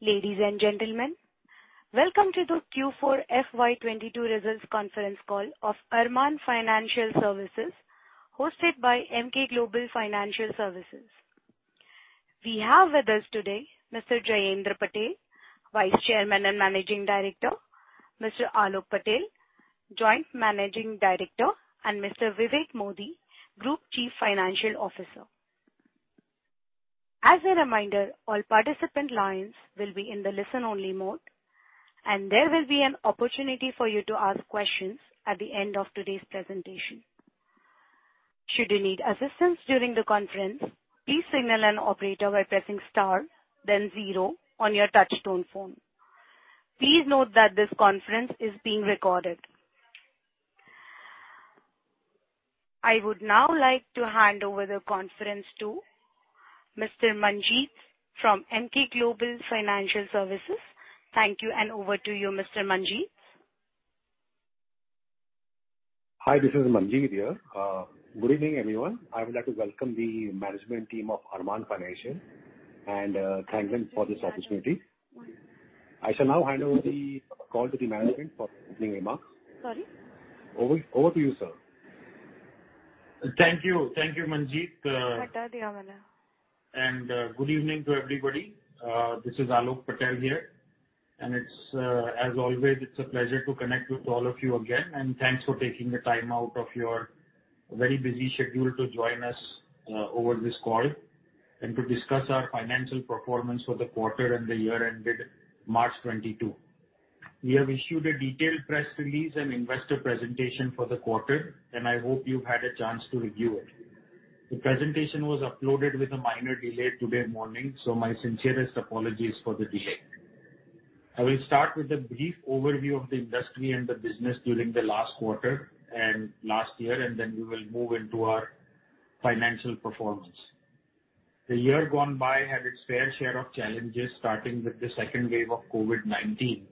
Ladies and gentlemen, welcome to the Q4 FY22 results conference call of Arman Financial Services hosted by Emkay Global Financial Services. We have with us today Mr. Jayendra Patel, Vice Chairman and Managing Director, Mr. Aalok Patel, Joint Managing Director, and Mr. Vivek Modi, Group Chief Financial Officer. As a reminder, all participant lines will be in the listen-only mode, and there will be an opportunity for you to ask questions at the end of today's presentation. Should you need assistance during the conference, please signal an operator by pressing star then zero on your touchtone phone. Please note that this conference is being recorded. I would now like to hand over the conference to Mr. Manjith Nair from Emkay Global Financial Services. Thank you, and over to you, Mr. Manjith Nair. Hi, this is Manjith Nair here. Good evening, everyone. I would like to welcome the management team of Arman Financial and thank them for this opportunity. I shall now hand over the call to the management for opening remarks. Sorry. Over to you, sir. Thank you. Thank you, Manjith. Good evening to everybody. This is Alok Patel here, and it's, as always, it's a pleasure to connect with all of you again, and thanks for taking the time out of your very busy schedule to join us, over this call and to discuss our financial performance for the quarter and the year ended March 2022. We have issued a detailed press release and investor presentation for the quarter, and I hope you've had a chance to review it. The presentation was uploaded with a minor delay today morning, so my sincerest apologies for the delay. I will start with a brief overview of the industry and the business during the last quarter and last year, and then we will move into our financial performance. The year gone by had its fair share of challenges, starting with the second wave of COVID-19,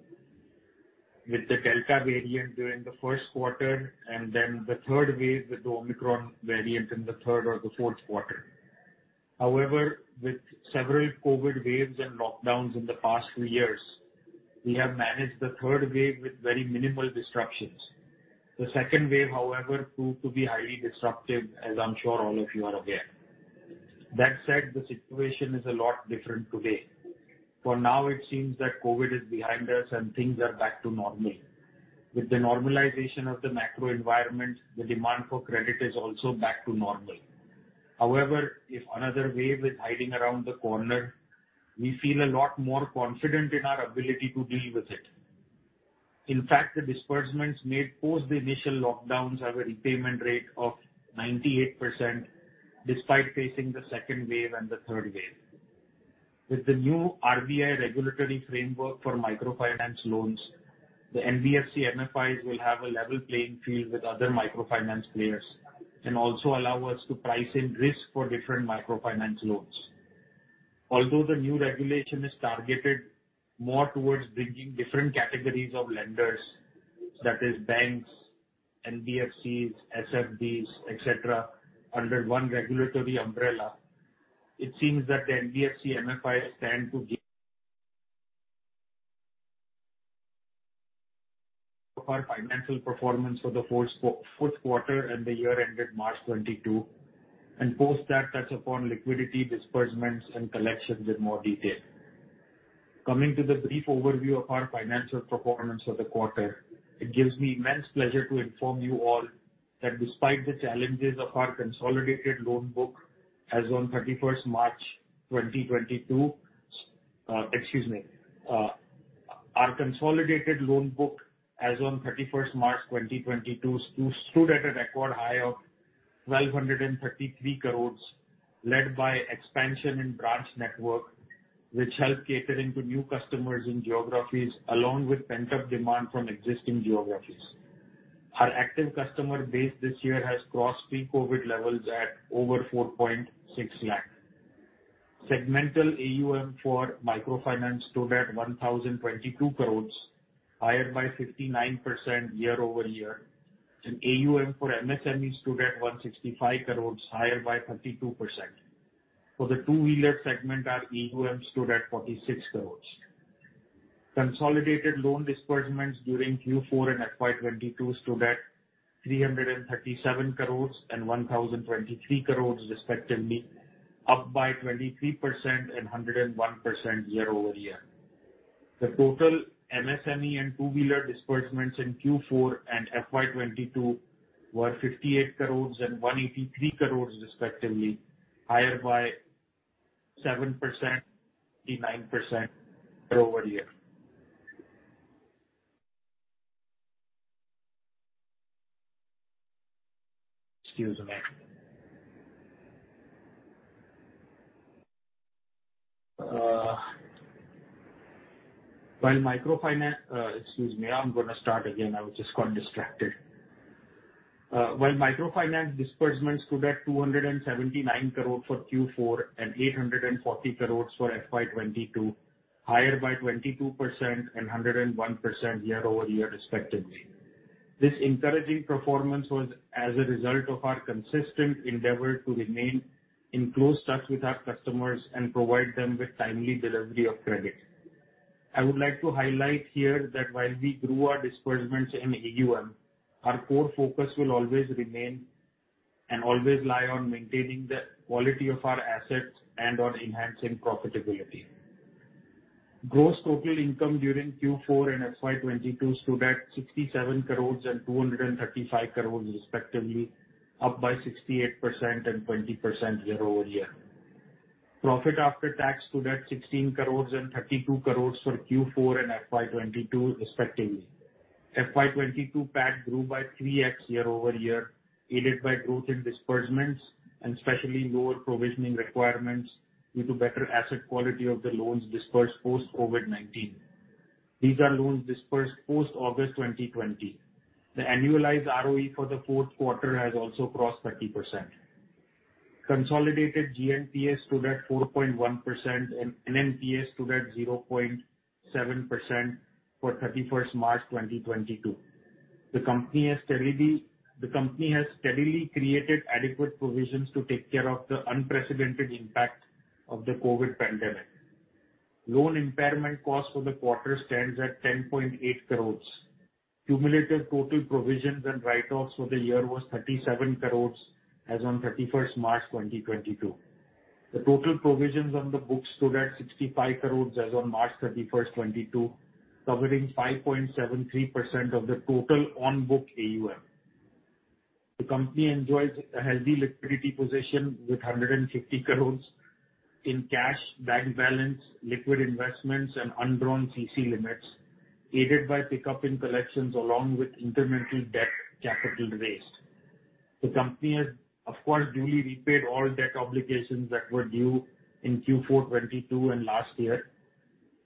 with the Delta variant during the Q1 and then the third wave with the Omicron variant in the third or the Q4. However, with several COVID waves and lockdowns in the past two years, we have managed the third wave with very minimal disruptions. The second wave, however, proved to be highly disruptive, as I'm sure all of you are aware. That said, the situation is a lot different today. For now, it seems that COVID is behind us and things are back to normal. With the normalization of the macro environment, the demand for credit is also back to normal. However, if another wave is hiding around the corner, we feel a lot more confident in our ability to deal with it. In fact, the disbursements made post the initial lockdowns have a repayment rate of 98% despite facing the second wave and the third wave. With the new RBI regulatory framework for microfinance loans, the NBFC-MFIs will have a level playing field with other microfinance players and also allow us to price in risk for different microfinance loans. Although the new regulation is targeted more towards bringing different categories of lenders, that is banks, NBFCs, SFBs, et cetera, under one regulatory umbrella, it seems that the NBFC-MFIs stand to gain. Our financial performance for the Q4 and the year ended March 2022, and post that touch upon liquidity disbursements and collections in more detail. Coming to the brief overview of our financial performance for the quarter, it gives me immense pleasure to inform you all that despite the challenges, our consolidated loan book as on March 31, 2022 stood at a record high of 1,233 crore, led by expansion in branch network, which helped catering to new customers in geographies along with pent-up demand from existing geographies. Our active customer base this year has crossed pre-COVID levels at over 4.6 lakh. Segmental AUM for microfinance stood at 1,022 crore, higher by 59% year-over-year. AUM for MSMEs stood at 165 crore, higher by 32%. For the two-wheeler segment, our AUM stood at 46 crore. Consolidated loan disbursements during Q4 and FY 2022 stood at 337 crore and 1,023 crore, respectively, up by 23% and 101% year-over-year. The total MSME and two-wheeler disbursements in Q4 and FY 2022 were 58 crore and 183 crore, respectively, higher by 7%, 99% year-over-year. While microfinance disbursements stood at 279 crore for Q4 and 840 crore for FY 2022, higher by 22% and 101% year-over-year, respectively. This encouraging performance was as a result of our consistent endeavor to remain in close touch with our customers and provide them with timely delivery of credit. I would like to highlight here that while we grew our disbursements in AUM, our core focus will always remain and always lie on maintaining the quality of our assets and on enhancing profitability. Gross total income during Q4 and FY 2022 stood at 67 crore and 235 crore respectively, up by 68% and 20% year-over-year. Profit after tax stood at 16 crore and 32 crore for Q4 and FY 2022 respectively. FY 2022 PAT grew by 3x year-over-year, aided by growth in disbursements and especially lower provisioning requirements due to better asset quality of the loans dispersed post COVID-19. These are loans dispersed post August 2020. The annualized ROE for the Q4 has also crossed 30%. Consolidated GNPS stood at 4.1% and NNPS stood at 0.7% for 31st March 2022. The company has steadily created adequate provisions to take care of the unprecedented impact of the COVID pandemic. Loan impairment cost for the quarter stands at 10.8 crore. Cumulative total provisions and write-offs for the year was 37 crore as on March 31, 2022. The total provisions on the books stood at 65 crore as on 31 March, 2022, covering 5.73% of the total on-book AUM. The company enjoys a healthy liquidity position with 150 crore in cash, bank balance, liquid investments, and undrawn CC limits, aided by pickup in collections along with incremental debt capital raised. The company has of course duly repaid all debt obligations that were due in Q4 2022 and last year,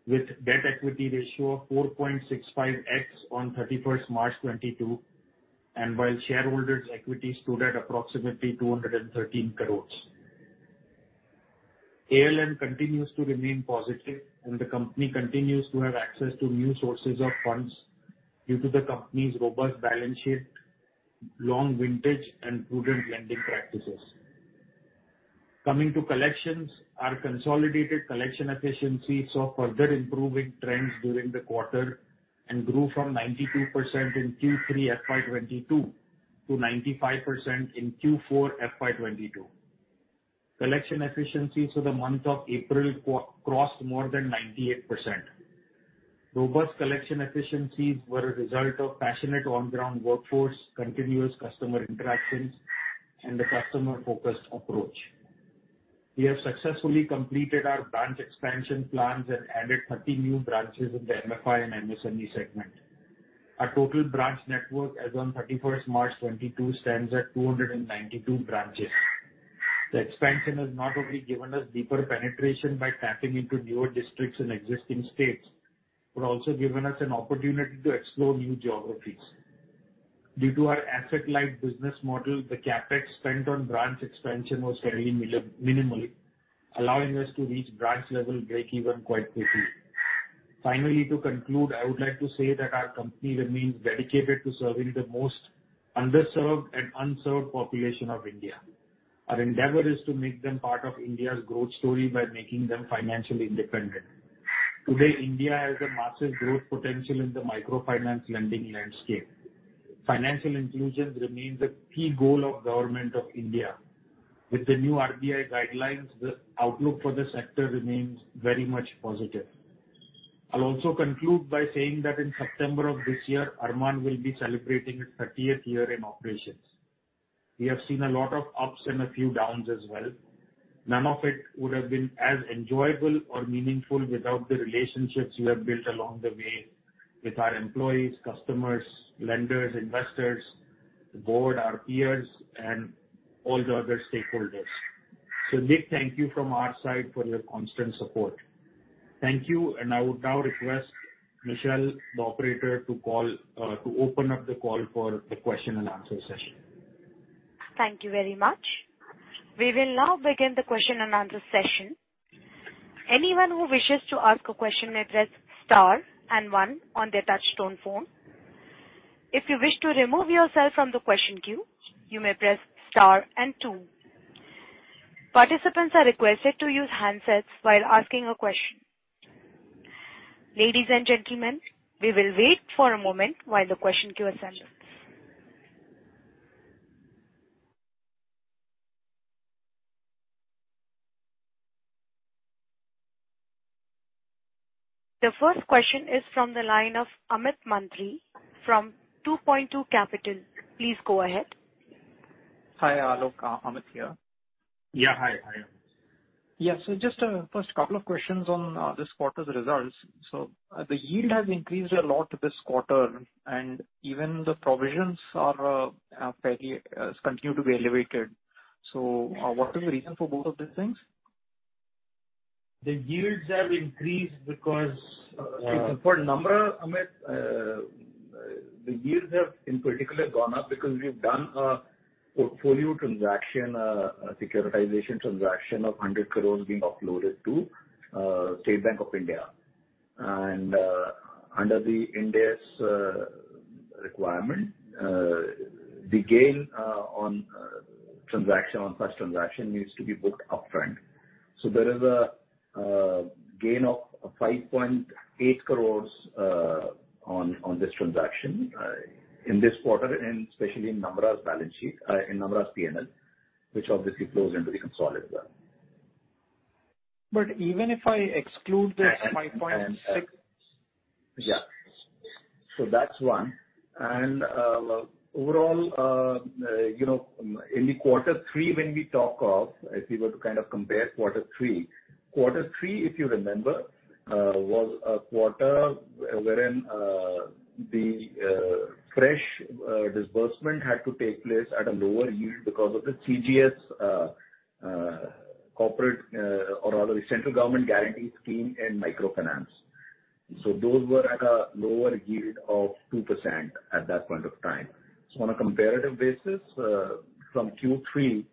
with debt equity ratio of 4.65x on 31st March 2022, and while shareholders equity stood at approximately 213 crore. ALM continues to remain positive and the company continues to have access to new sources of funds due to the company's robust balance sheet, long vintage and prudent lending practices. Coming to collections, our consolidated collection efficiency saw further improving trends during the quarter and grew from 92% in Q3 FY 2022 to 95% in Q4 FY 2022. Collection efficiencies for the month of April crossed more than 98%. Robust collection efficiencies were a result of passionate on-ground workforce, continuous customer interactions, and a customer-focused approach. We have successfully completed our branch expansion plans and added 30 new branches in the MFI and MSME segment. Our total branch network as on 31 March 2022 stands at 292 branches. The expansion has not only given us deeper penetration by tapping into newer districts in existing states, but also given us an opportunity to explore new geographies. Due to our asset-light business model, the CapEx spent on branch expansion was fairly minimally, allowing us to reach branch level breakeven quite quickly. Finally, to conclude, I would like to say that our company remains dedicated to serving the most underserved and unserved population of India. Our endeavor is to make them part of India's growth story by making them financially independent. Today, India has a massive growth potential in the microfinance lending landscape. Financial inclusion remains a key goal of Government of India. With the new RBI guidelines, the outlook for the sector remains very much positive. I'll also conclude by saying that in September of this year, Arman will be celebrating its thirtieth year in operations. We have seen a lot of ups and a few downs as well. None of it would have been as enjoyable or meaningful without the relationships we have built along the way with our employees, customers, lenders, investors, the board, our peers, and all the other stakeholders. Big thank you from our side for your constant support. Thank you. I would now request Michelle, the operator, to open up the call for the question and answer session. Thank you very much. We will now begin the question and answer session. Anyone who wishes to ask a question may press star and one on their touchtone phone. If you wish to remove yourself from the question queue, you may press star and two. Participants are requested to use handsets while asking a question. Ladies and gentlemen, we will wait for a moment while the question queue assembles. The first question is from the line of Amit Mantri from 2Point2 Capital. Please go ahead. Hi, Alok. Amit here. Yeah. Hi, Amit. Yeah. Just first couple of questions on this quarter's results. The yield has increased a lot this quarter, and even the provisions are fairly continue to be elevated. What is the reason for both of these things? The yields have increased because, for Namra, Amit, the yields have in particular gone up because we've done- Portfolio transaction, securitization transaction of 100 crore being offloaded to State Bank of India. Under the Ind AS requirement, the gain on first transaction needs to be booked upfront. There is a gain of 5.8 crore on this transaction in this quarter, and especially in Namra's balance sheet in Namra's P&L, which obviously flows into the consolidated. Even if I exclude this 5.6- Yeah. That's one. Overall, you know, in quarter three when we talk of if you were to kind of compare quarter three. Quarter3, if you remember, was a quarter wherein the fresh disbursement had to take place at a lower yield because of the CGFMU, or rather the Central Government Guarantee scheme in microfinance. Those were at a lower yield of 2% at that point of time. On a comparative basis, from Q3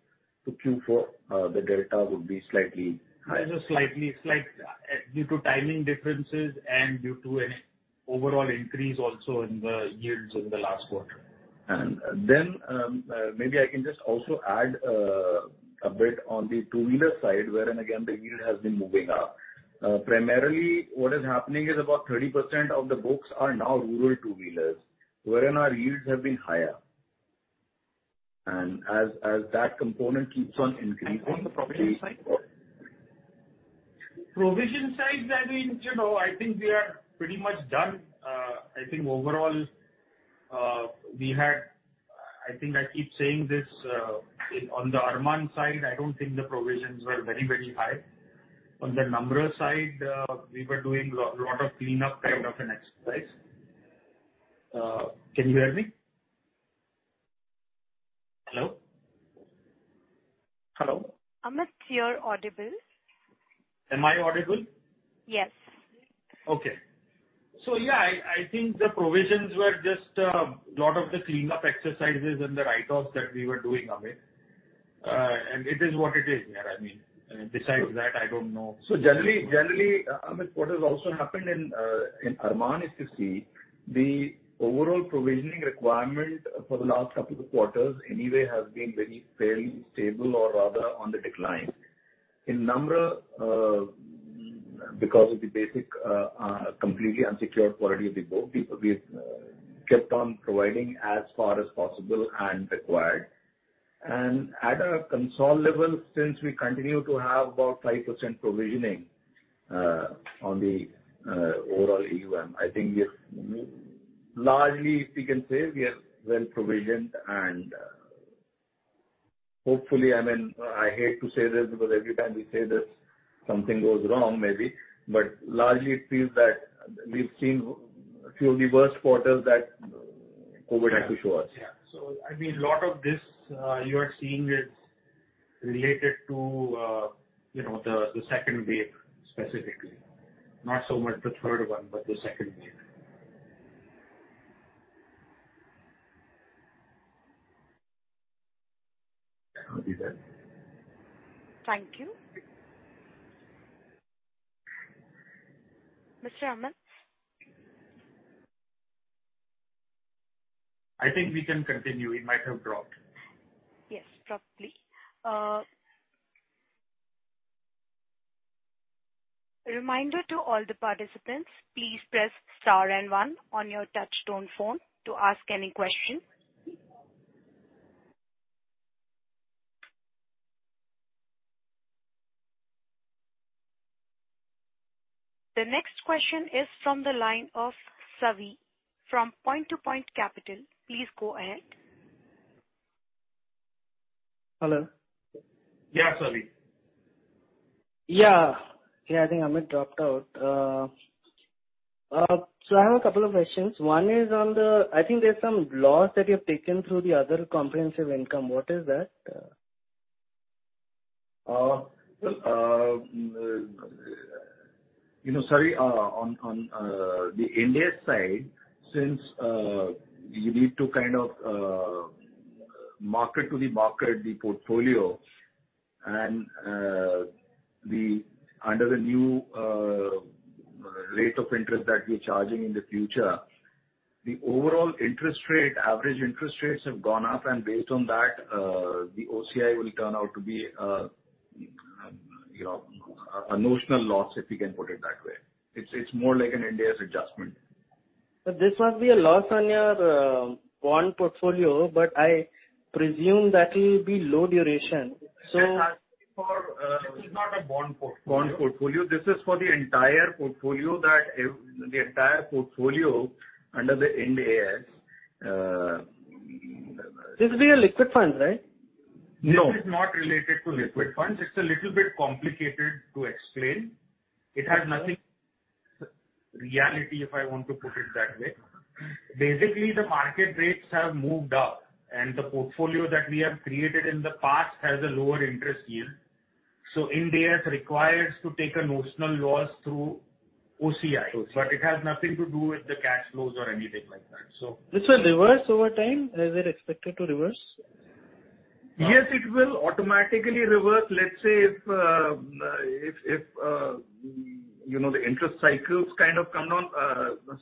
to Q4, the delta would be slightly higher. Just slightly. It's like, due to timing differences and due to an overall increase also in the yields in the last quarter. Maybe I can just also add a bit on the two-wheeler side, wherein again, the yield has been moving up. Primarily what is happening is about 30% of the books are now rural two-wheelers, wherein our yields have been higher. As that component keeps on increasing- On the provision side? Provision side, I mean, you know, I think we are pretty much done. I think overall, I think I keep saying this, on the Arman side, I don't think the provisions were very high. On the Namra side, we were doing lot of cleanup kind of an exercise. Can you hear me? Hello? Amit, you're audible. Am I audible? Yes. Okay. Yeah, I think the provisions were just lot of the cleanup exercises and the write-offs that we were doing, Amit. It is what it is here. I mean, besides that, I don't know. Generally, Amit, what has also happened in Arman is we've seen the overall provisioning requirement for the last couple of quarters anyway has been very fairly stable or rather on the decline. In Namra, because of the basically completely unsecured quality of the book, we've kept on providing as far as possible and required. At a consolidated level, since we continue to have about 5% provisioning on the overall AUM, I think we have largely, if we can say, we are well-provisioned and hopefully, I mean, I hate to say this because every time we say this something goes wrong maybe, but largely it feels that we've seen a few of the worst quarters that COVID had to show us. Yeah. I mean, a lot of this, you are seeing is related to, you know, the second wave specifically. Not so much the third one, but the second wave. That will be that. Thank you. Mr. Amit? I think we can continue. He might have dropped. Yes, probably. Reminder to all the participants, please press star and one on your touchtone phone to ask any question. The next question is from the line of Savi from Point to Point Capital. Please go ahead. Hello. Yeah, Savi. Yeah, I think Amit dropped out. I have a couple of questions. One is on the, I think, there's some loss that you have taken through the other comprehensive income. What is that? You know, Savi, on the Ind AS side, since we need to kind of mark to the market the portfolio and under the new rate of interest that we're charging in the future, the overall interest rate, average interest rates have gone up and based on that, the OCI will turn out to be, you know, a notional loss, if you can put it that way. It's more like an Ind AS adjustment. This must be a loss on your bond portfolio, but I presume that will be low duration. This is not a bond portfolio. Bond portfolio. This is for the entire portfolio under the Ind AS. This will be a liquid fund, right? No. This is not related to liquid funds. It's a little bit complicated to explain. It has no reality, if I want to put it that way. Basically, the market rates have moved up, and the portfolio that we have created in the past has a lower interest yield. Ind AS is required to take a notional loss through OCI. OCI. It has nothing to do with the cash flows or anything like that, so. This will reverse over time? Is it expected to reverse? Yes, it will automatically reverse. Let's say if you know, the interest cycles kind of come down.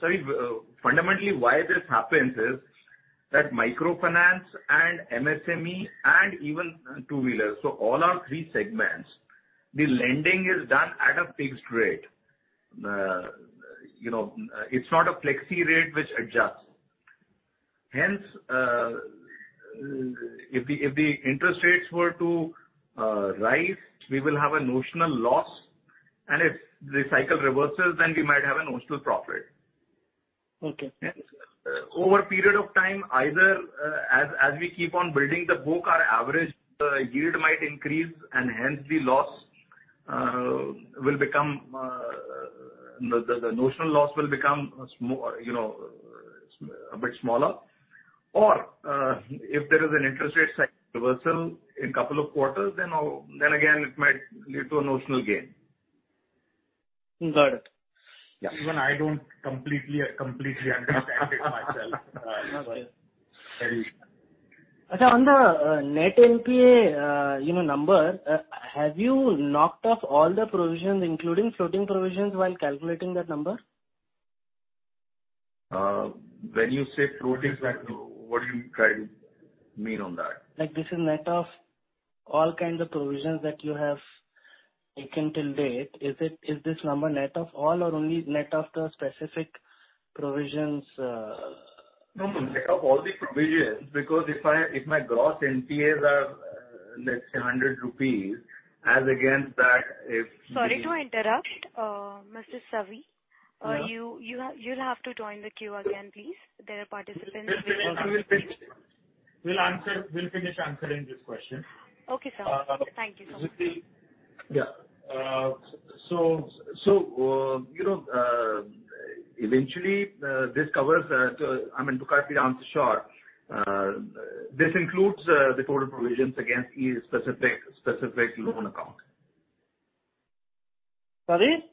Sorry. Fundamentally, why this happens is that microfinance and MSME and even two-wheelers, so all our three segments, the lending is done at a fixed rate. You know, it's not a flexi rate which adjusts. Hence, if the interest rates were to rise, we will have a notional loss, and if the cycle reverses, then we might have a notional profit. Okay. Over a period of time, either as we keep on building the book, our average yield might increase and hence the loss, the notional loss, will become small. You know, a bit smaller. Or, if there is an interest rate cycle reversal in couple of quarters, then again, it might lead to a notional gain. Got it. Yeah. Even I don't completely understand it myself. No. Very. On the net NPA, you know, number, have you knocked off all the provisions, including floating provisions, while calculating that number? When you say floating provisions, what are you trying to mean on that? Like, this is net of all kinds of provisions that you have taken till date. Is this number net of all or only net of the specific provisions? No, net of all the provisions, because if my gross NPAs are, let's say, 100 rupees as against that if. Sorry to interrupt. Mr. Savi? Yeah. You'll have to join the queue again, please. There are participants who also. We'll finish answering this question. Okay, sir. Uh. Thank you, sir. Yeah. You know, eventually, this covers, I mean, to cut the answer short, this includes the total provisions against each specific loan account. Sorry?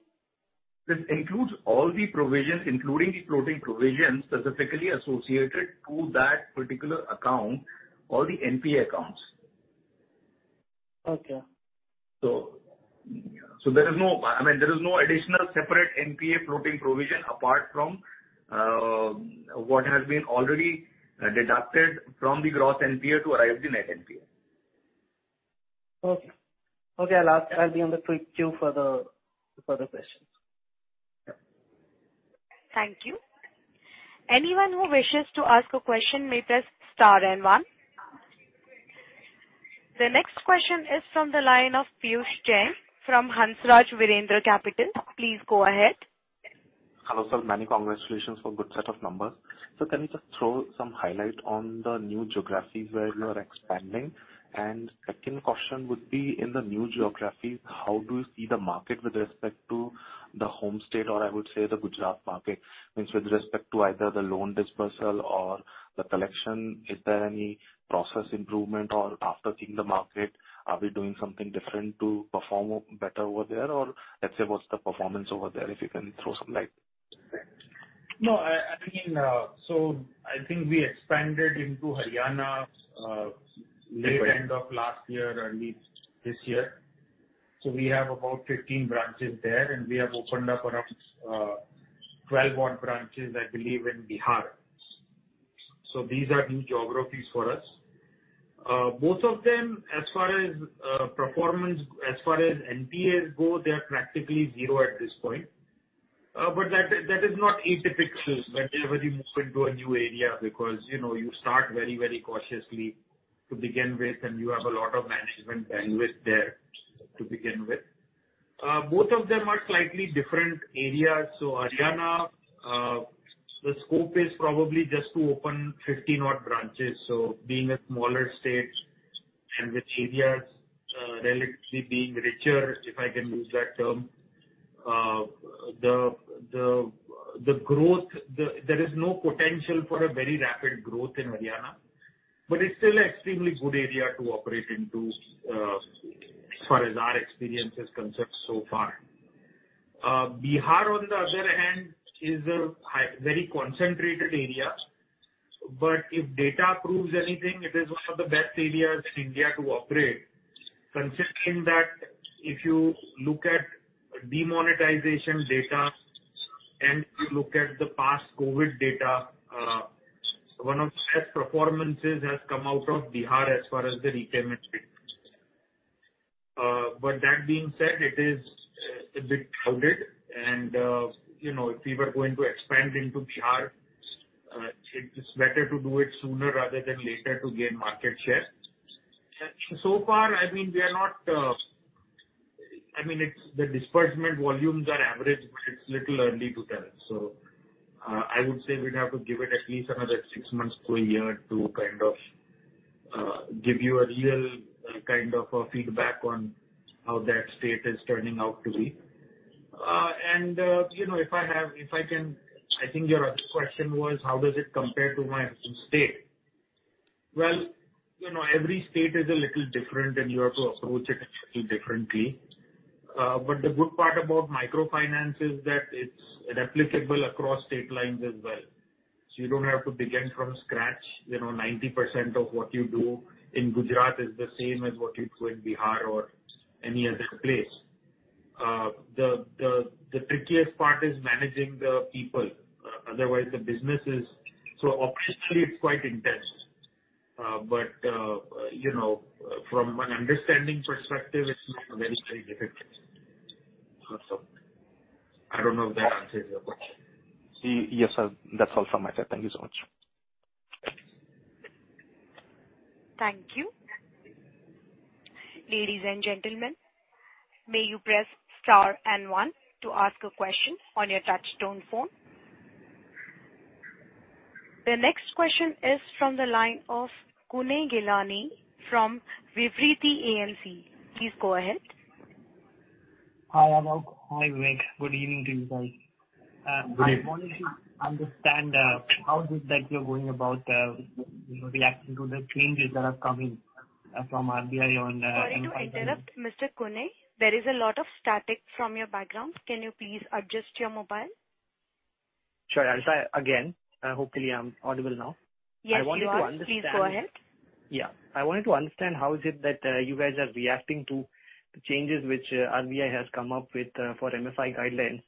This includes all the provisions, including the floating provisions specifically associated to that particular account or the NPA accounts. Okay. There is no, I mean, there is no additional separate NPA floating provision apart from what has already been deducted from the gross NPA to arrive at the net NPA. Okay, I'll be on the queue for the questions. Thank you. Anyone who wishes to ask a question may press star and one. The next question is from the line of Piyush Jain from Hansraj Virendra Capital. Please go ahead. Hello, sir. Many congratulations for good set of numbers. Can you just throw some light on the new geographies where you are expanding? Second question would be, in the new geographies, how do you see the market with respect to the home state, or I would say the Gujarat market? I mean with respect to either the loan disbursal or the collection, is there any process improvement or after seeing the market, are we doing something different to perform better over there? Let's say, what's the performance over there? If you can throw some light. No, I mean, I think we expanded into Haryana, late end of last year, early this year. We have about 15 branches there, and we have opened up around 12 odd branches, I believe, in Bihar. These are new geographies for us. Both of them as far as performance, as far as NPAs go, they are practically zero at this point. But that is not atypical whenever you move into a new area because, you know, you start very, very cautiously to begin with, and you have a lot of management bandwidth there to begin with. Both of them are slightly different areas. Haryana, the scope is probably just to open 50 odd branches. Being a smaller state and with areas relatively being richer, if I can use that term, the growth. There is no potential for a very rapid growth in Haryana, but it's still extremely good area to operate into, as far as our experience is concerned so far. Bihar, on the other hand, is a highly concentrated area. If data proves anything, it is one of the best areas in India to operate, considering that if you look at demonetization data and you look at the past COVID data, one of best performances has come out of Bihar as far as the repayment rate. That being said, it is a bit crowded and, you know, if we were going to expand into Bihar, it is better to do it sooner rather than later to gain market share. So far, I mean, it's the disbursement volumes are average, but it's a little early to tell. I would say we'd have to give it at least another six months to a year to kind of give you a real kind of a feedback on how that state is turning out to be. You know, if I can, I think your other question was how does it compare to my home state? Well, you know, every state is a little different and you have to approach it a little differently. The good part about microfinance is that it's replicable across state lines as well. You don't have to begin from scratch. You know, 90% of what you do in Gujarat is the same as what you do in Bihar or any other place. The trickiest part is managing the people. Otherwise the business is so operationally it's quite intense. You know, from an understanding perspective, it's not very difficult. I don't know if that answers your question. Yes, sir. That's all from my side. Thank you so much. Thank you. Ladies and gentlemen, may you press star and one to ask a question on your touchtone phone. The next question is from the line of Kuneh Ghelani from Vivriti AMC. Please go ahead. Hi, Aalok. Hi, Vivek. Good evening to you guys. Good evening. I wanted to understand how is it that you're going about, you know, reacting to the changes that are coming from RBI on? Sorry to interrupt, Mr. Kunay. There is a lot of static from your background. Can you please adjust your mobile? Sure. I'll try again. Hopefully I'm audible now. Yes, you are. I wanted to understand. Please go ahead. Yeah. I wanted to understand how is it that you guys are reacting to changes which RBI has come up with for MFI guidelines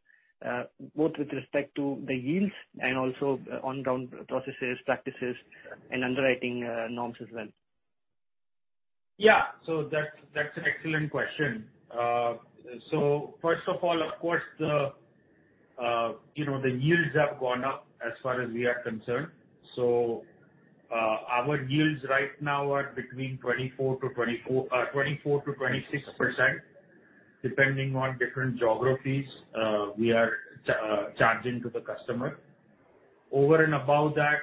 both with respect to the yields and also on ground processes, practices and underwriting norms as well. That's an excellent question. First of all, of course, you know, the yields have gone up as far as we are concerned. Our yields right now are between 24%-26%, depending on different geographies, we are charging the customer. Over and above that,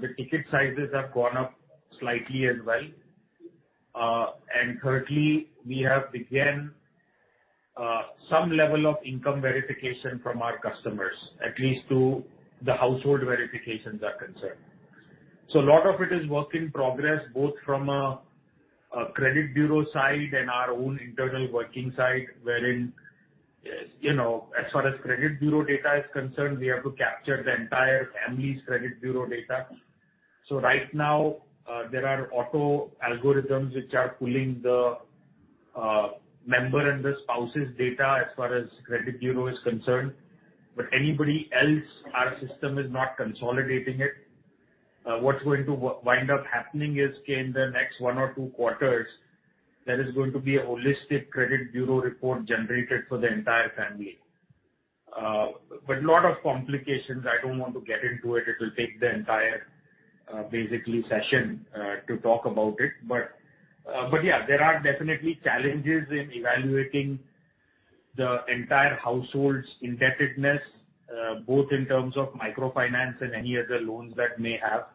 the ticket sizes have gone up slightly as well. Currently we have begun some level of income verification from our customers, at least to the household verifications are concerned. A lot of it is work in progress, both from a credit bureau side and our own internal working side, wherein, you know, as far as credit bureau data is concerned, we have to capture the entire family's credit bureau data. Right now, there are auto algorithms which are pulling the member and the spouse's data as far as credit bureau is concerned, but anybody else, our system is not consolidating it. What's going to wind up happening is in the next one or two quarters, there is going to be a holistic credit bureau report generated for the entire family. A lot of complications, I don't want to get into it. It will take the entire, basically, session to talk about it. Yeah, there are definitely challenges in evaluating the entire household's indebtedness, both in terms of microfinance and any other loans that they may have,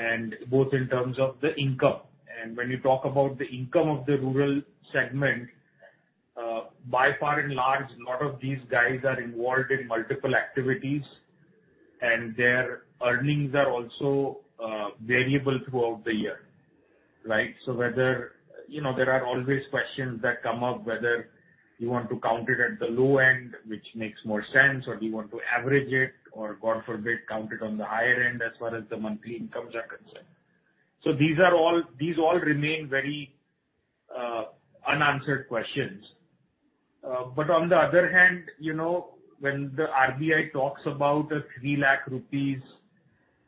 and both in terms of the income. When you talk about the income of the rural segment, by and large, a lot of these guys are involved in multiple activities and their earnings are also variable throughout the year, right? So whether, you know, there are always questions that come up whether you want to count it at the low end, which makes more sense, or do you want to average it or, God forbid, count it on the higher end as far as the monthly incomes are concerned. So these all remain very unanswered questions. But on the other hand, you know, when the RBI talks about an 3 lakh rupees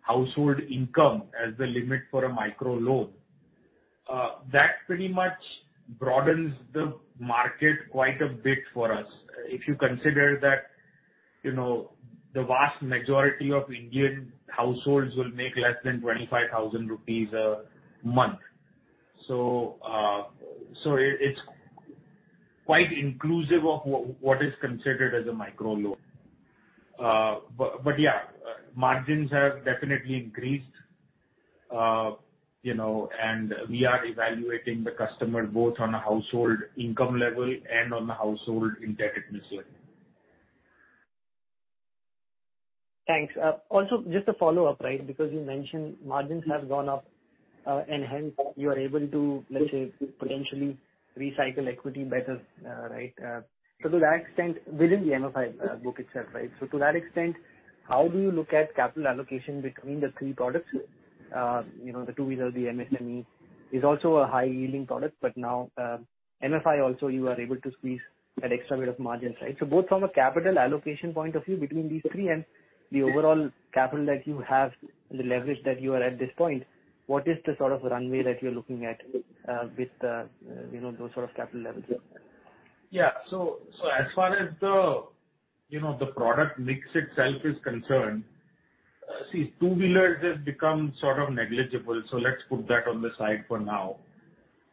household income as the limit for a micro loan, that pretty much broadens the market quite a bit for us. If you consider that, you know, the vast majority of Indian households will make less than 25,000 rupees a month. It, it's quite inclusive of what is considered as a micro loan. But yeah, margins have definitely increased, you know, and we are evaluating the customer both on a household income level and on a household indebtedness level. Thanks. Also just a follow-up, right? Because you mentioned margins have gone up, and hence you are able to, let's say, potentially recycle equity better, right? So to that extent, within the MFI book itself, right? So to that extent, how do you look at capital allocation between the three products? You know, the two-wheeler, the MSME is also a high-yielding product, but now, MFI also you are able to squeeze that extra bit of margin, right? So both from a capital allocation point of view between these three and the overall capital that you have, the leverage that you are at this point, what is the sort of runway that you're looking at, with the, you know, those sort of capital levels? As far as the, you know, the product mix itself is concerned, two-wheelers has become sort of negligible, so let's put that on the side for now.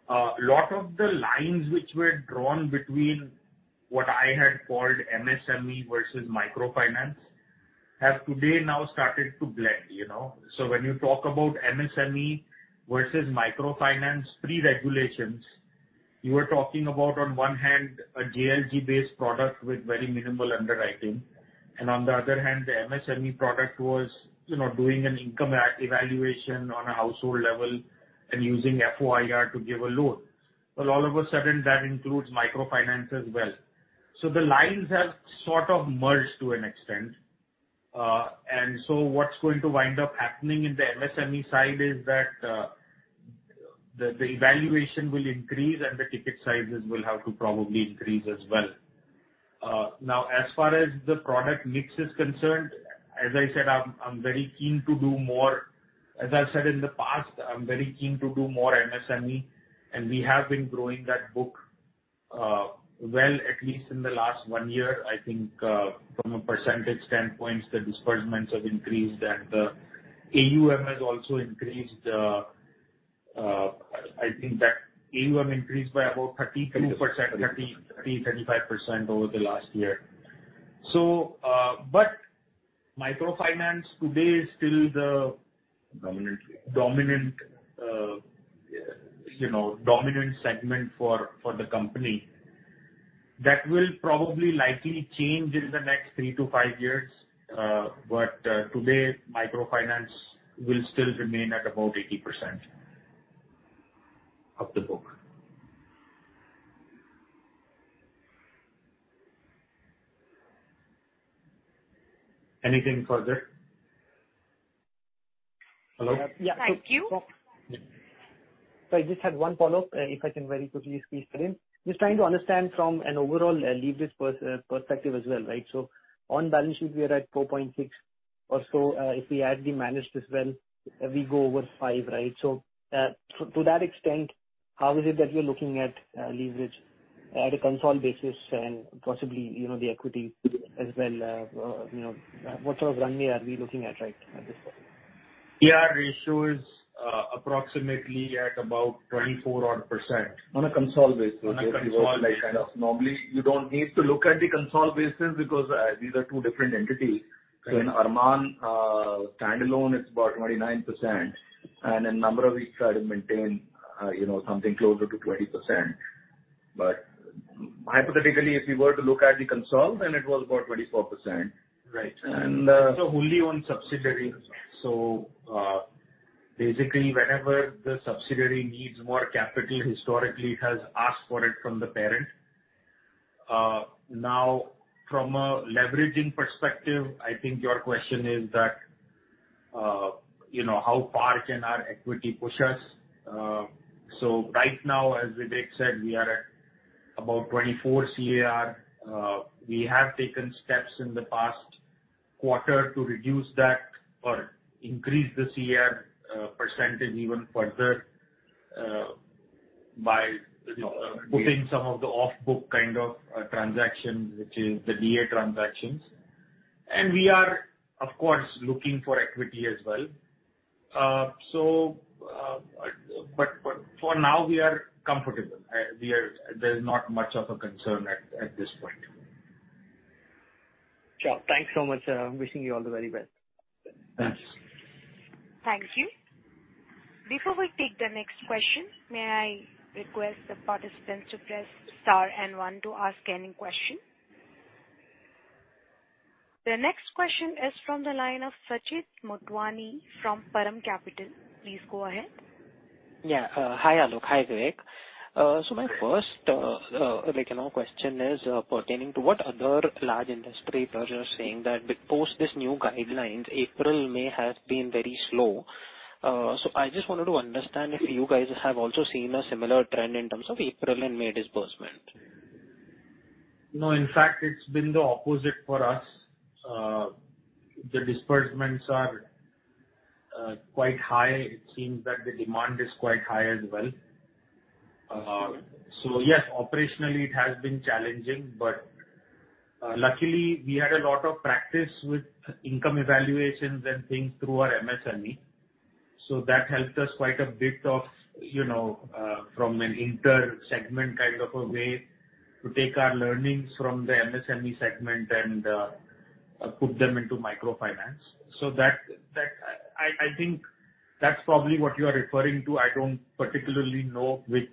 A lot of the lines which were drawn between what I had called MSME versus microfinance have today now started to blend, you know. When you talk about MSME versus microfinance pre-regulations. You were talking about, on one hand, a JLG based product with very minimal underwriting and on the other hand, the MSME product was, you know, doing an income evaluation on a household level and using FOIR to give a loan. All of a sudden that includes microfinance as well. The lines have sort of merged to an extent. What's going to wind up happening in the MSME side is that the utilization will increase and the ticket sizes will have to probably increase as well. Now as far as the product mix is concerned, as I said, I'm very keen to do more. As I said in the past, I'm very keen to do more MSME, and we have been growing that book, well at least in the last one year. I think from a percentage standpoint, the disbursements have increased and the AUM has also increased. I think that AUM increased by about 32%. 33%. 30%-35% over the last year. Microfinance today is still the- Dominant. Dominant segment for the company. That will probably likely change in the next three-five years. But today, microfinance will still remain at about 80% of the book. Anything further? Hello? Yeah. Thank you. I just had one follow-up, if I can very quickly squeeze it in. Just trying to understand from an overall leverage perspective as well, right? On balance sheet we are at 4.6% or so. If we add the managed as well, we go over 5%, right? To that extent, how is it that you're looking at leverage at a consolidated basis and possibly, you know, the equity as well? What sort of runway are we looking at right at this point? CAR ratio is approximately at about 24 odd percent. On a consolidated basis. On a consolidated basis. Normally, you don't need to look at the consolidated basis because these are two different entities. Right. In Arman standalone, it's about 29%. In Namra, we try to maintain something closer to 20%. Hypothetically, if we were to look at the consolidated, then it was about 24%. Right. And, uh- Wholly owned subsidiary. Basically whenever the subsidiary needs more capital, historically it has asked for it from the parent. Now from a leveraging perspective, I think your question is that, you know, how far can our equity push us? Right now, as Vivek said, we are at about 24 CAR. We have taken steps in the past quarter to reduce that or increase the CAR percentage even further by, you know, putting some of the off-book kind of transactions, which is the DA transactions. We are, of course, looking for equity as well. For now, we are comfortable. There's not much of a concern at this point. Sure. Thanks so much. Wishing you all the very best. Thanks. Thank you. Before we take the next question, may I request the participants to press star and one to ask any question. The next question is from the line of Sachit Motwani from Param Capital. Please go ahead. Yeah. Hi, Alok. Hi, Vivek. My first, like, you know, question is pertaining to what other large industry players are saying that post these new guidelines, April, May has been very slow. I just wanted to understand if you guys have also seen a similar trend in terms of April and May disbursement. No, in fact, it's been the opposite for us. The disbursements are quite high. It seems that the demand is quite high as well. Yes, operationally it has been challenging, but luckily we had a lot of practice with income evaluations and things through our MSME. That helped us quite a bit, you know, from an inter-segment kind of a way to take our learnings from the MSME segment and put them into microfinance. That, I think that's probably what you are referring to. I don't particularly know which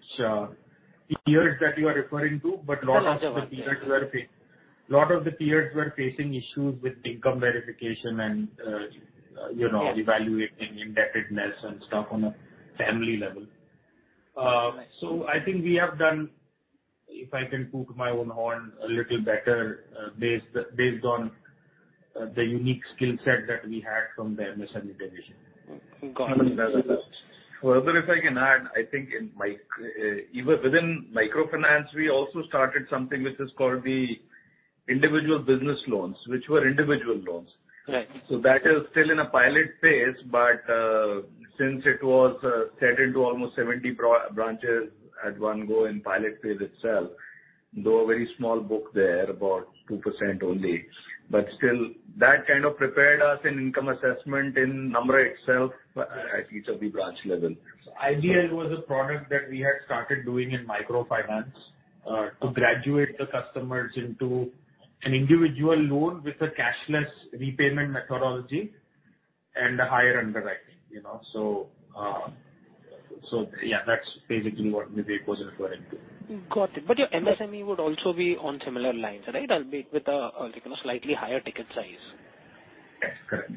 peers that you are referring to, but lots of the peers were fa- None of them. ...lot of the peers were facing issues with income verification and, you know. Yes. Evaluating indebtedness and stuff on a family level. Right. I think we have done, if I can toot my own horn, a little better based on the unique skill set that we had from the MSME division. Got it. Further, if I can add, I think even within microfinance, we also started something which is called the individual business loans, which were individual loans. Right. That is still in a pilot phase, but since it was set into almost 70 pro-branches at one go in pilot phase itself, though a very small book there, about 2% only. Still, that kind of prepared us in income assessment in Namra itself at each of the branch level. Idea was a product that we had started doing in microfinance, to graduate the customers into an individual loan with a cashless repayment methodology. A higher underwriting, you know. Yeah, that's basically what Vivek was referring to. Got it. Your MSME would also be on similar lines, right? Albeit with a, you know, slightly higher ticket size. Yes. Correct.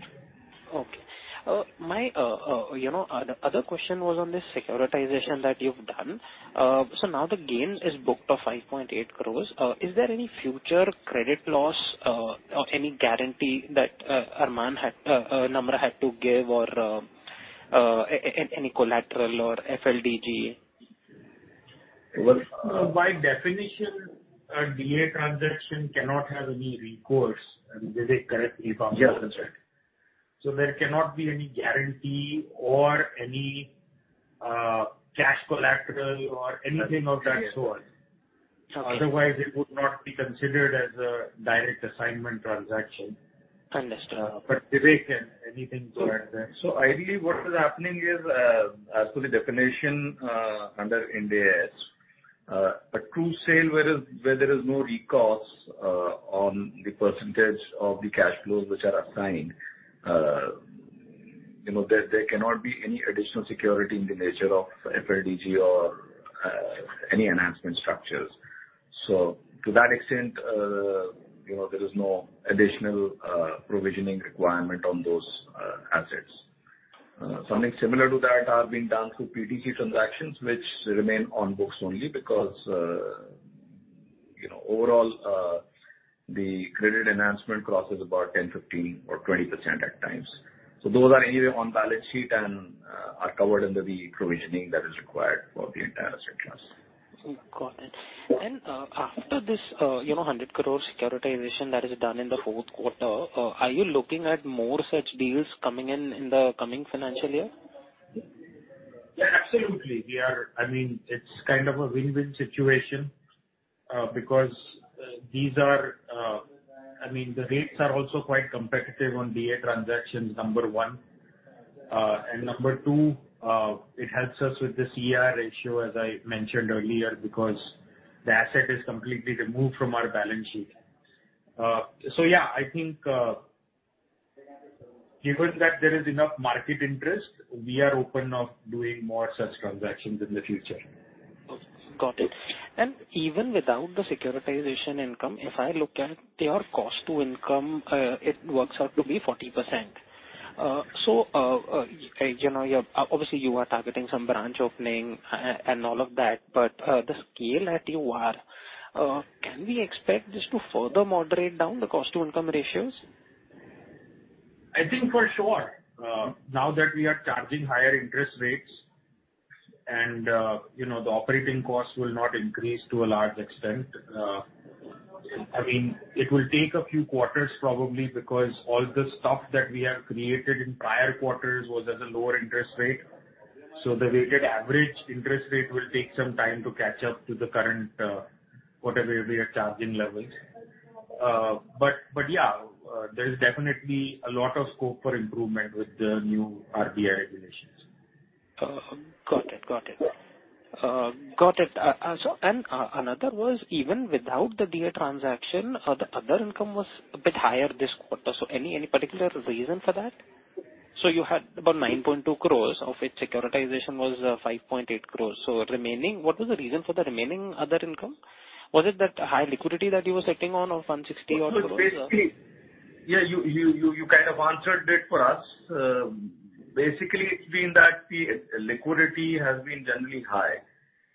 Okay. My other question was on the securitization that you've done. Now the gain is booked of 5.8 crores. Is there any future credit loss, or any guarantee that Namra had to give or any collateral or FLDG? Well, by definition, a DA transaction cannot have any recourse. I mean, Vivek, correct me if I'm wrong? Yes, that's right. There cannot be any guarantee or any cash collateral or anything of that sort. Okay. Otherwise, it would not be considered as a direct assignment transaction. Understood. Vivek, can anything to add there? Ideally what is happening is, as per the definition, under Ind AS, a true sale where there is no recourse, on the percentage of the cash flows which are assigned, you know, there cannot be any additional security in the nature of FLDG or, any enhancement structures. To that extent, you know, there is no additional, provisioning requirement on those, assets. Something similar to that are being done through PTC transactions, which remain on books only because, you know, overall, the credit enhancement crosses about 10%, 15% or 20% at times. Those are anyway on balance sheet and, are covered under the provisioning that is required for the entire asset class. Got it. After this, you know, 100 crore securitization that is done in the Q4, are you looking at more such deals coming in the coming financial year? Yeah, absolutely. I mean, it's kind of a win-win situation, because these are, I mean, the rates are also quite competitive on DA transactions, number one. Number two, it helps us with the CAR ratio, as I mentioned earlier, because the asset is completely removed from our balance sheet. Yeah, I think, given that there is enough market interest, we are open to doing more such transactions in the future. Got it. Even without the securitization income, if I look at your cost to income, it works out to be 40%. You know, obviously you are targeting some branch opening and all of that, but the scale at which you are, can we expect this to further moderate down the cost to income ratios? I think for sure. Now that we are charging higher interest rates and, you know, the operating costs will not increase to a large extent. I mean, it will take a few quarters probably because all the stock that we have created in prior quarters was at a lower interest rate. The weighted average interest rate will take some time to catch up to the current, whatever we are charging levels. Yeah, there is definitely a lot of scope for improvement with the new RBI regulations. Got it. Another was even without the DA transaction, the other income was a bit higher this quarter. Any particular reason for that? You had about 9.2 crore of which securitization was 5.8 crore. Remaining, what was the reason for the remaining other income? Was it that high liquidity that you were sitting on of 160-odd crore? It's basically. Yeah. You kind of answered it for us. Basically it's been that the liquidity has been generally high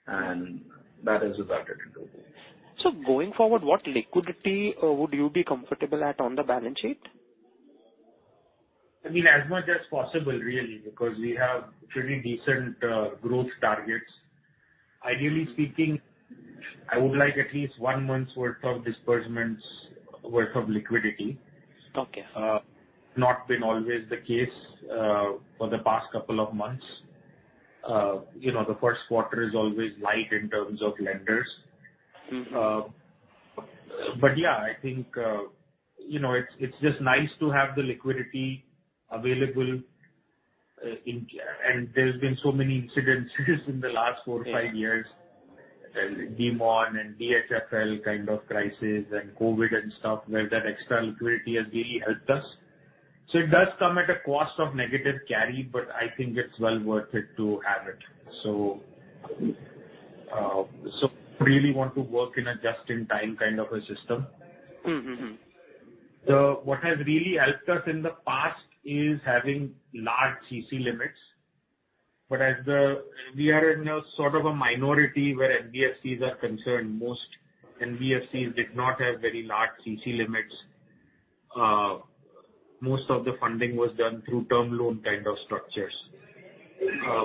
and that is reflected in those. Going forward, what liquidity would you be comfortable at on the balance sheet? I mean, as much as possible really because we have pretty decent growth targets. Ideally speaking, I would like at least one month's worth of disbursements worth of liquidity. Okay. Not been always the case for the past couple of months. You know, the Q1 is always light in terms of lenders. Yeah, I think, you know, it's just nice to have the liquidity available. There's been so many incidents in the last four or five years, Demonetization and DHFL kind of crisis and COVID and stuff where that extra liquidity has really helped us. It does come at a cost of negative carry, but I think it's well worth it to have it. Really want to work in a just-in-time kind of a system. What has really helped us in the past is having large CC limits. We are in a sort of a minority where NBFCs are concerned. Most NBFCs did not have very large CC limits. Most of the funding was done through term loan kind of structures.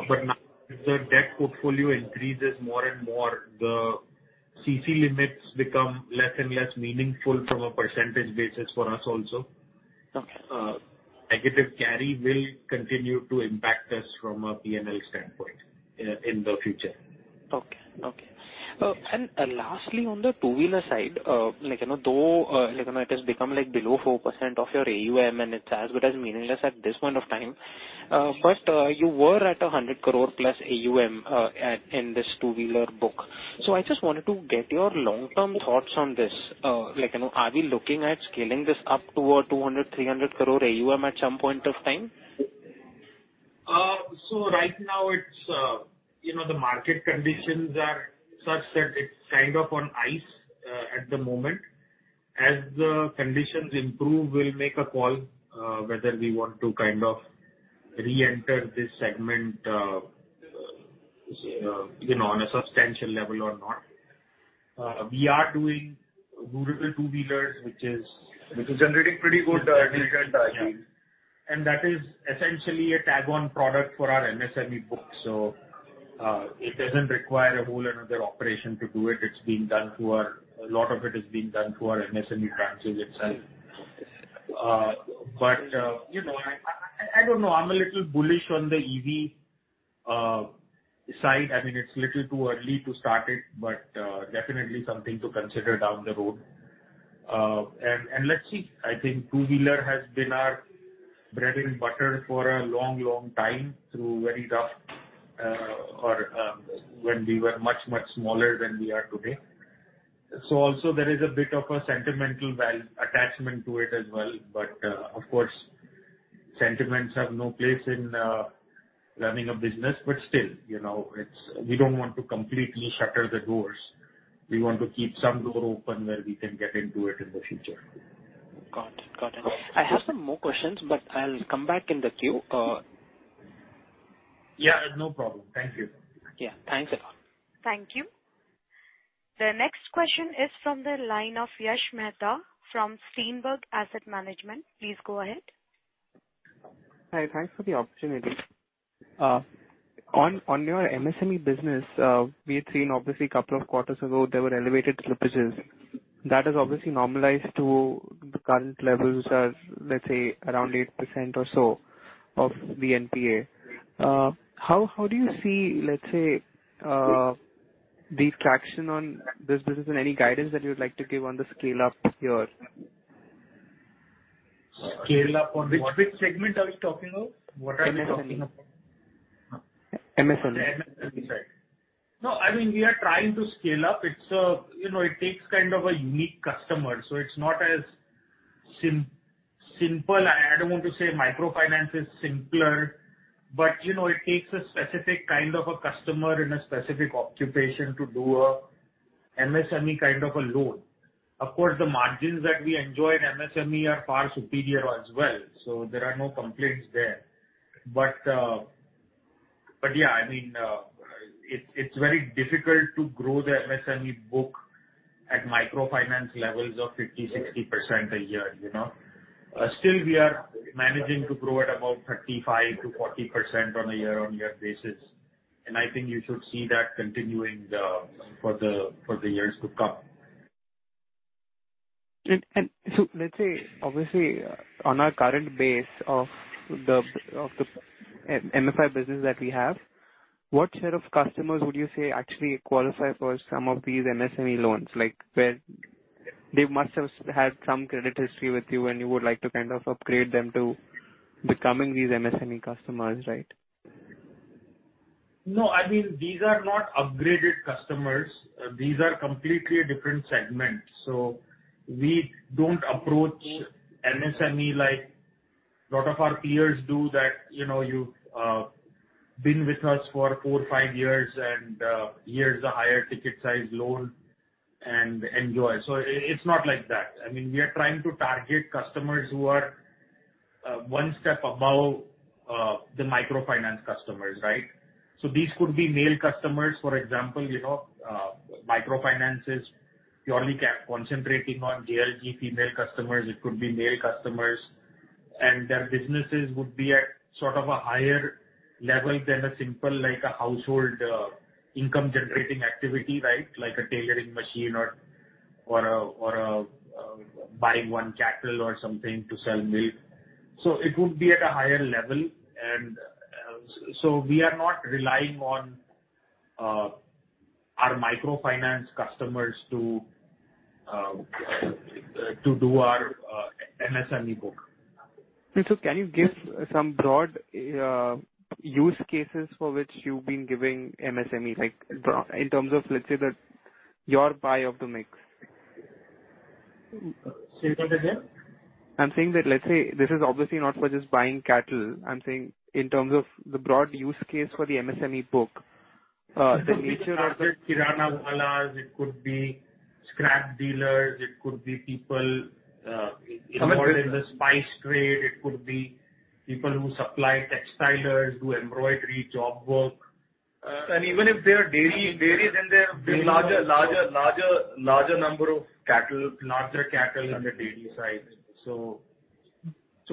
But now as the debt portfolio increases more and more, the CC limits become less and less meaningful from a percentage basis for us also. Okay. Negative carry will continue to impact us from a P&L standpoint in the future. Okay. Lastly, on the two-wheeler side, like, you know, though, like, you know, it has become like below 4% of your AUM and it's as good as meaningless at this point of time. You were at +100 crore AUM, at, in this two-wheeler book. I just wanted to get your long-term thoughts on this. Like, you know, are we looking at scaling this up to 200-300 crore AUM at some point of time? Right now it's, you know, the market conditions are such that it's kind of on ice, at the moment. As the conditions improve, we'll make a call, whether we want to kind of re-enter this segment, you know, on a substantial level or not. We are doing rural two-wheelers, which is- Which is generating pretty good. That is essentially an add-on product for our MSME book. It doesn't require a whole another operation to do it. It's being done through our MSME branches itself. A lot of it is being done through our MSME branches. You know, I don't know. I'm a little bullish on the EV side. I mean, it's a little too early to start it, but definitely something to consider down the road. Let's see. I think two-wheeler has been our bread and butter for a long, long time through very rough times when we were much, much smaller than we are today. There is also a bit of a sentimental value attachment to it as well. But of course, sentiments have no place in running a business. Still, you know, we don't want to completely shut the doors. We want to keep some doors open where we can get into it in the future. Got it. I have some more questions, but I'll come back in the queue. Yeah, no problem. Thank you. Yeah. Thanks a lot. Thank you. The next question is from the line of Yash Mehta from Greenberg Asset Management. Please go ahead. Hi. Thanks for the opportunity. On your MSME business, we had seen obviously a couple of quarters ago there were elevated slippages. That has obviously normalized to the current levels as, let's say, around 8% or so of the NPA. How do you see, let's say, the traction on this business and any guidance that you would like to give on the scale-up here? Scale-up on what? Which segment are you talking of? What are you talking of? MSME. The MSME side. No, I mean, we are trying to scale up. It's, you know, it takes kind of a unique customer, so it's not as simple. I don't want to say microfinance is simpler, but, you know, it takes a specific kind of a customer in a specific occupation to do a MSME kind of a loan. Of course, the margins that we enjoy in MSME are far superior as well, so there are no complaints there. But yeah. I mean, it's very difficult to grow the MSME book at microfinance levels of 50%, 60% a year, you know. Still, we are managing to grow at about 35%-40% on a year-on-year basis. I think you should see that continuing for the years to come. Let's say, obviously, on our current base of the MFI business that we have, what set of customers would you say actually qualify for some of these MSME loans? Like where they must have had some credit history with you and you would like to kind of upgrade them to becoming these MSME customers, right? No, I mean, these are not upgraded customers. These are completely different segments. We don't approach MSME like a lot of our peers do that, you know, you've been with us for four, five years and here's a higher ticket size loan and enjoy. It's not like that. I mean, we are trying to target customers who are one step above the microfinance customers, right? These could be male customers, for example, you know. Microfinance is purely concentrating on JLG female customers. It could be male customers. Their businesses would be at sort of a higher level than a simple like a household income generating activity, right? Like a tailoring machine or a buying one cattle or something to sell milk. It would be at a higher level. We are not relying on our microfinance customers to do our MSME book. Can you give some broad use cases for which you've been giving MSME? Like in terms of, let's say, the your pie of the mix. Say that again. I'm saying that, let's say, this is obviously not for just buying cattle. I'm saying in terms of the broad use case for the MSME book, the nature of it. It could be kirana wallahs, it could be scrap dealers, it could be people involved in the spice trade. Some business. It could be people who supply textilers, do embroidery job work. Even if they are dairy, then they have larger number of cattle, larger cattle on the dairy side.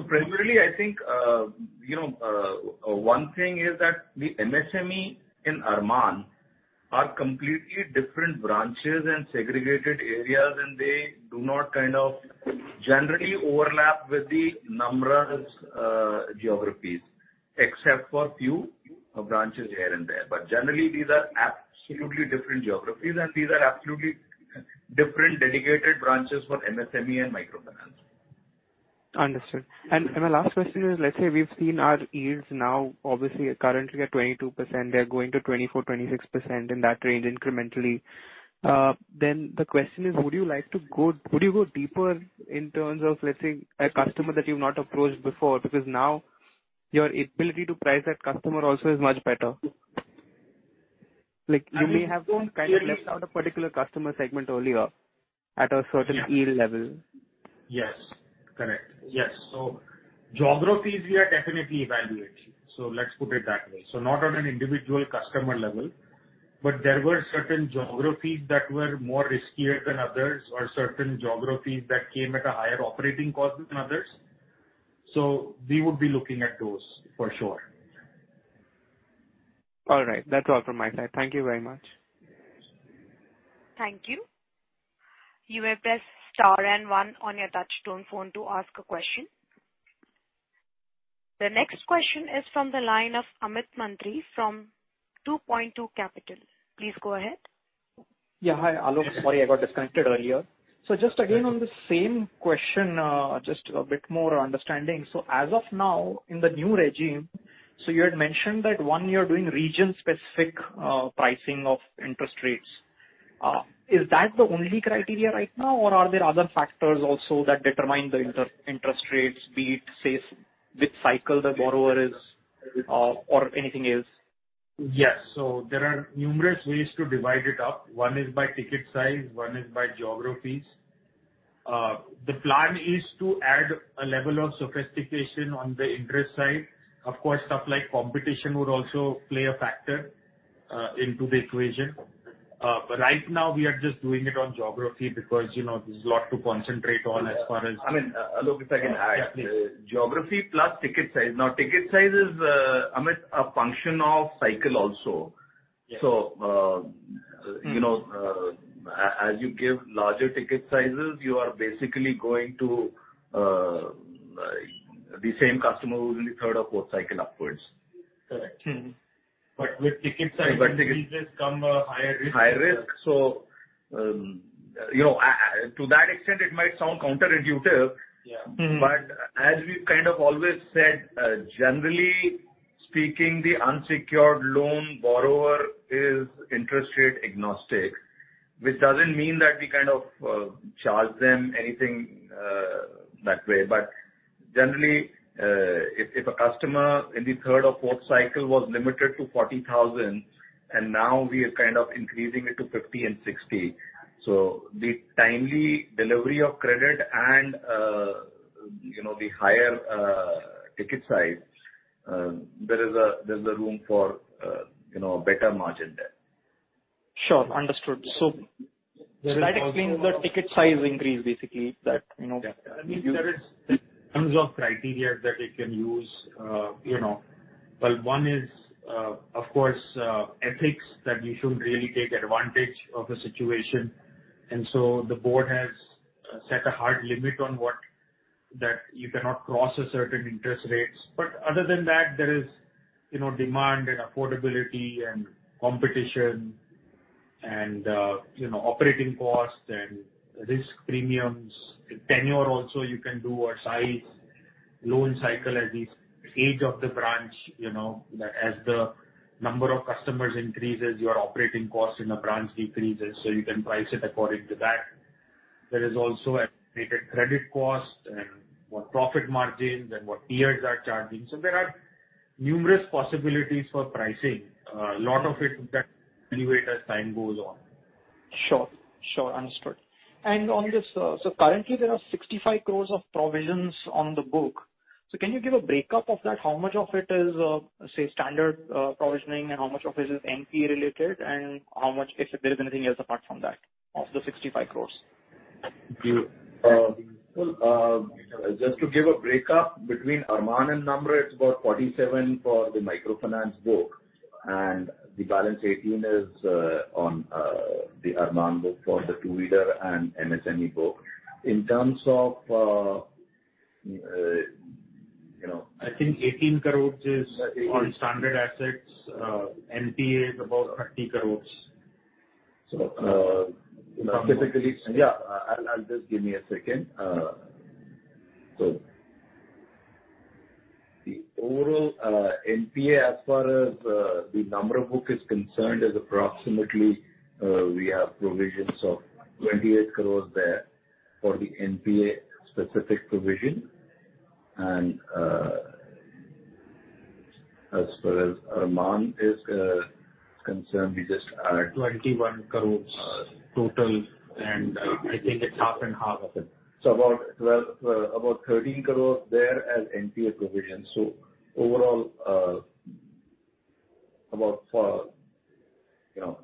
Primarily, I think, you know, one thing is that the MSME and Arman are completely different branches and segregated areas, and they do not kind of generally overlap with Namra's geographies, except for few of branches here and there. Generally, these are absolutely different geographies, and these are absolutely different dedicated branches for MSME and microfinance. Understood. My last question is, let's say we've seen our yields now, obviously currently at 22%, they're going to 24%-26% in that range incrementally. Then the question is, would you go deeper in terms of, let's say, a customer that you've not approached before? Because now your ability to price that customer also is much better. Like, you may have kind of left out a particular customer segment earlier at a certain yield level. Yes. Correct. Yes. Geographies we are definitely evaluating, so let's put it that way. Not on an individual customer level, but there were certain geographies that were more riskier than others or certain geographies that came at a higher operating cost than others. We would be looking at those for sure. All right. That's all from my side. Thank you very much. Thank you. You may press star and one on your touch tone phone to ask a question. The next question is from the line of Amit Mantri from 2Point2 Capital. Please go ahead. Yeah. Hi, Aloke. Sorry, I got disconnected earlier. Just again on the same question, just a bit more understanding. As of now in the new regime, you had mentioned that, one, you're doing region-specific pricing of interest rates. Is that the only criteria right now, or are there other factors also that determine the interest rates, be it, say, which cycle the borrower is, or anything else? Yes. There are numerous ways to divide it up. One is by ticket size, one is by geographies. The plan is to add a level of sophistication on the interest side. Of course, stuff like competition would also play a factor into the equation. Right now we are just doing it on geography because, you know, there's a lot to concentrate on. Amit, Aloke, if I can add. Yeah, please. Geography plus ticket size. Now, ticket size is, Amit, a function of cycle also. Yeah. You know, as you give larger ticket sizes, you are basically going to the same customer who's in the third or fourth cycle upwards. Correct with ticket size. But ticket- These days come higher risk. Higher risk. You know, to that extent, it might sound counterintuitive. Yeah. As we've kind of always said, generally speaking, the unsecured loan borrower is interest rate agnostic. Which doesn't mean that we kind of charge them anything that way. Generally, if a customer in the third or fourth cycle was limited to 40,000 and now we are kind of increasing it to 50,000 and 60,000, so the timely delivery of credit and you know the higher ticket size, there's a room for you know better margin there. Sure. Understood. That explains the ticket size increase, basically that, you know. That means there is tons of criteria that you can use, you know. Well, one is, of course, ethics, that you shouldn't really take advantage of a situation. The board has set a hard limit on what that you cannot cross a certain interest rates. Other than that, there is, you know, demand and affordability and competition and, you know, operating costs and risk premiums. Tenure also you can do or size, loan cycle, at least age of the branch, you know. As the number of customers increases, your operating cost in a branch decreases, so you can price it according to that. There is also estimated credit cost and what profit margins and what peers are charging. There are numerous possibilities for pricing. A lot of it that anyway as time goes on. Sure. Understood. On this, currently there are 65 crore of provisions on the books. Can you give a breakup of that? How much of it is, say, standard provisioning and how much of it is NPA related and how much, if there is anything else apart from that, of the 65 crore? Just to give a breakup between Arman and Namra, it's about 47 for the microfinance book and the balance 18 is on the Arman book for the two-wheeler and MSME book. In terms of, you know- I think 18 crores is on standard assets. NPA is about 30 crores. Specifically. Approximately. The overall NPA as far as the Namra book is concerned is approximately. We have provisions of 28 crore there for the NPA specific provision. As far as Arman is concerned, we just had. 21 crore total, and I think it's half and half of it. About 13 crores there as NPA provisions. Overall, you know,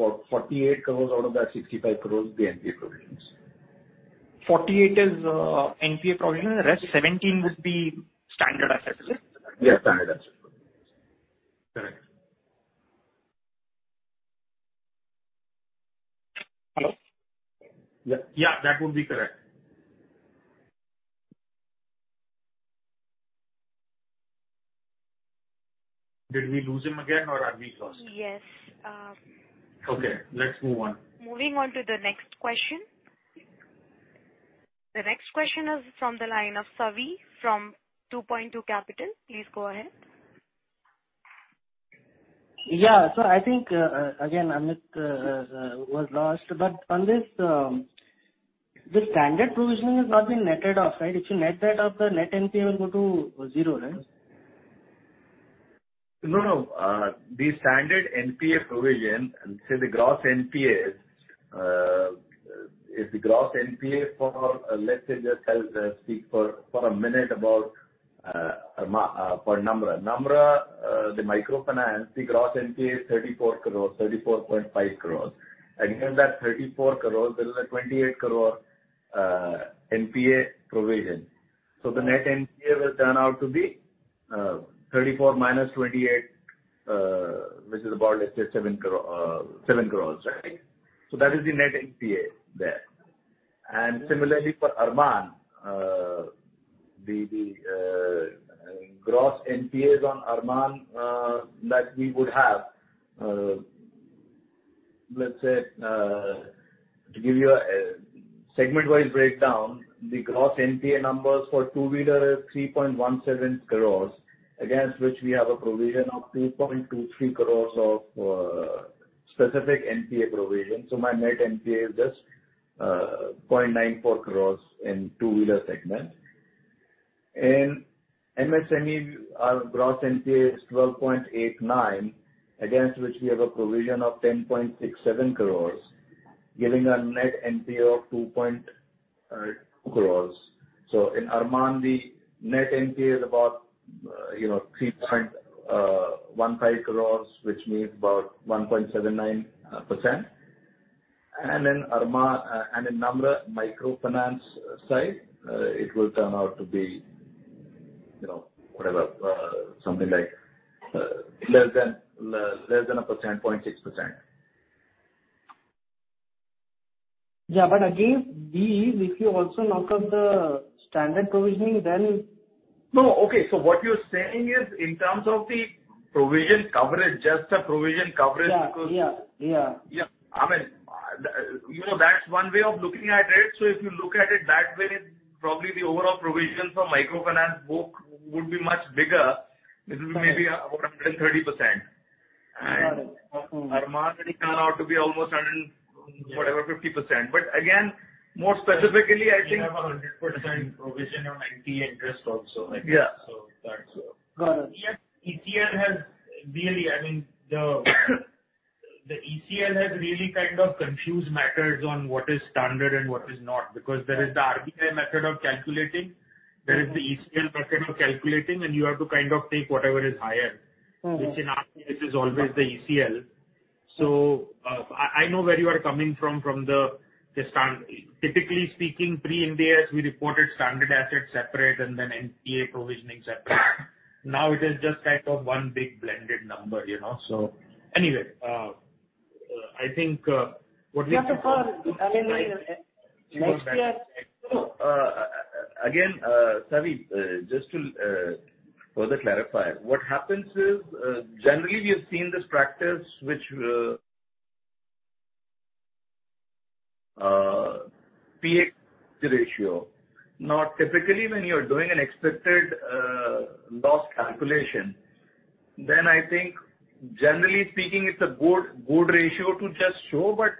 about 48 crores out of that 65 crores will be NPA provisions. 48 is NPA provision. The rest 17 would be standard assets, is it? Yeah, standard assets. Correct. Hello? Ye``ah, that would be correct. Did we lose him again or are we lost? Yes. Okay, let's move on. Moving on to the next question. The next question is from the line of Savi from 2Point2 Capital. Please go ahead. Yeah. I think, again, Amit, was lost. On this, the standard provisioning has not been netted off, right? If you net that off, the net NPA will go to zero, right? No, no. The standard NPA provision, say, the gross NPAs, if the gross NPA for, let's say, just speak for a minute about for Namra. Namra, the microfinance, the gross NPA is 34 crore, 34.5 crore. Against that 34 crore, there is a 28 crore NPA provision. The net NPA will turn out to be 34 -28, which is about, let's say, 7 crore, right? That is the net NPA there. Similarly for Arman, the gross NPAs on Arman that we would have, let's say, to give you a segment-wise breakdown, the gross NPA numbers for two-wheeler is 3.17 crore, against which we have a provision of 2.23 crore of specific NPA provision. My net NPA is just 0.94 crore in two-wheeler segment. In MSME, our gross NPA is 12.89 crore, against which we have a provision of 10.67 crore, giving a net NPA of 2.2 crore. In Arman, the net NPA is about, you know, 3.15 crore, which means about 1.79%. In Namra microfinance side, it will turn out to be, you know, whatever, something like, less than a percent, 0.6%. Yeah, again, these, if you also knock off the standard provisioning, then. No. Okay. What you're saying is in terms of the provision coverage, just the provision coverage. Yeah. Yeah. I mean, you know, that's one way of looking at it. If you look at it that way, probably the overall provision for microfinance book would be much bigger. Got it. This is maybe about 130%. Got it. Arman will turn out to be almost 100, whatever, 50%. Again, more specifically, I think. We have 100% provision on NPA interest also. Yeah. That's. Got it. Yes, I mean, the ECL has really kind of confused matters on what is standard and what is not, because there is the RBI method of calculating, there is the ECL method of calculating, and you have to kind of take whatever is higher. Which in our case is always the ECL. I know where you are coming from the standpoint. Typically speaking, pre-Ind AS, we reported standard assets separate and then NPA provisioning separate. Now it is just kind of one big blended number, you know. Anyway, I think what we- We have to follow, I mean, next year. Again, Savi, just to further clarify. What happens is, generally we have seen this practice which, PCR ratio. Now, typically, when you're doing an expected loss calculation, I think generally speaking, it's a good ratio to just show, but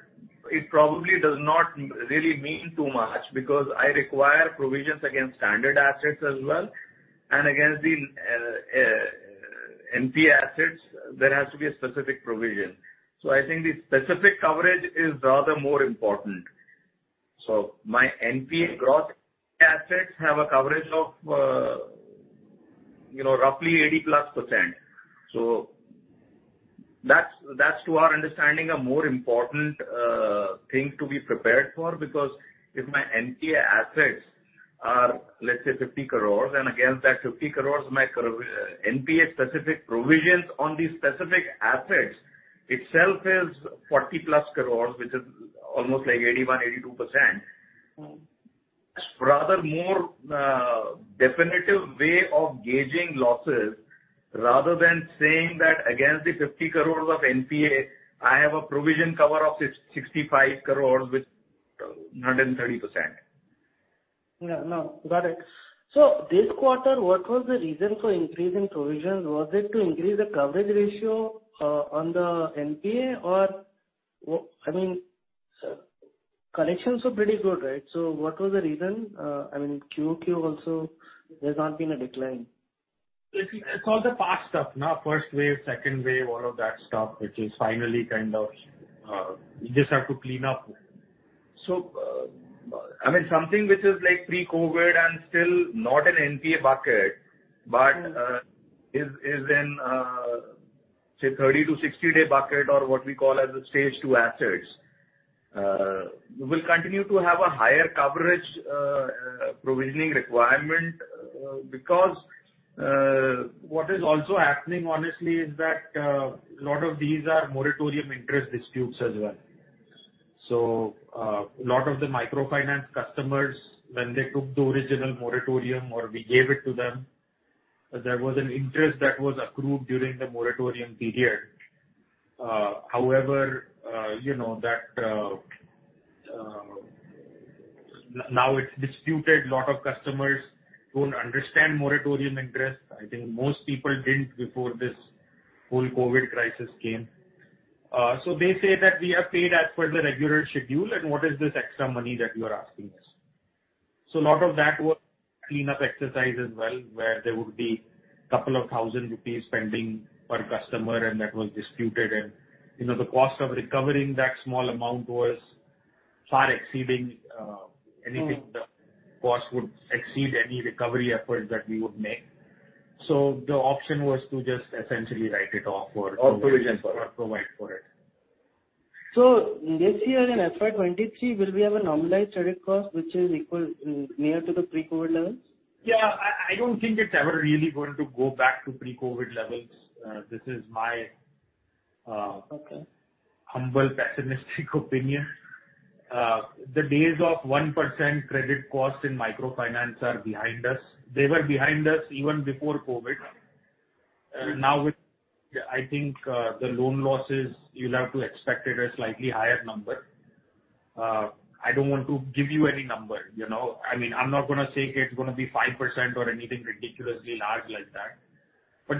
it probably does not really mean too much because I require provisions against standard assets as well and against the NPA assets, there has to be a specific provision. I think the specific coverage is rather more important. My NPA gross assets have a coverage of, you know, roughly +80%. That's to our understanding a more important thing to be prepared for, because if my NPA assets are, let's say, 50 crores, and against that 50 crores, my NPA specific provisions on these specific assets itself is +40 crores, which is almost like 81%-82%. It's rather more definitive way of gauging losses rather than saying that against the 50 crores of NPA, I have a provision cover of 665 crores, which 130%. No. Got it. This quarter, what was the reason for increase in provisions? Was it to increase the coverage ratio on the NPA, or I mean, collections were pretty good, right? What was the reason? I mean, QOQ also, there's not been a decline. It's all the past stuff. First wave, second wave, all of that stuff, which is finally kind of we just have to clean up. I mean, something which is like pre-COVID and still not an NPA bucket, but is in say 30-60-day bucket or what we call as the stage two assets, we'll continue to have a higher coverage provisioning requirement because. What is also happening honestly is that a lot of these are moratorium interest disputes as well. A lot of the microfinance customers when they took the original moratorium or we gave it to them, there was an interest that was accrued during the moratorium period. However, you know that now it's disputed, a lot of customers don't understand moratorium interest. I think most people didn't before this whole COVID crisis came. They say that we have paid as per the regular schedule and what is this extra money that you are asking us? A lot of that was cleanup exercise as well, where there would be a couple of thousand INR pending per customer and that was disputed. You know, the cost of recovering that small amount was far exceeding anything. The cost would exceed any recovery efforts that we would make. The option was to just essentially write it off or Provision for it. Provide for it. This year in FY 23, will we have a normalized credit cost which is equal, near to the pre-COVID levels? Yeah. I don't think it's ever really going to go back to pre-COVID levels. Okay. Humble, pessimistic opinion. The days of 1% credit cost in microfinance are behind us. They were behind us even before COVID. I think the loan losses, you'll have to expect at a slightly higher number. I don't want to give you any number, you know? I mean, I'm not gonna say it's gonna be 5% or anything ridiculously large like that.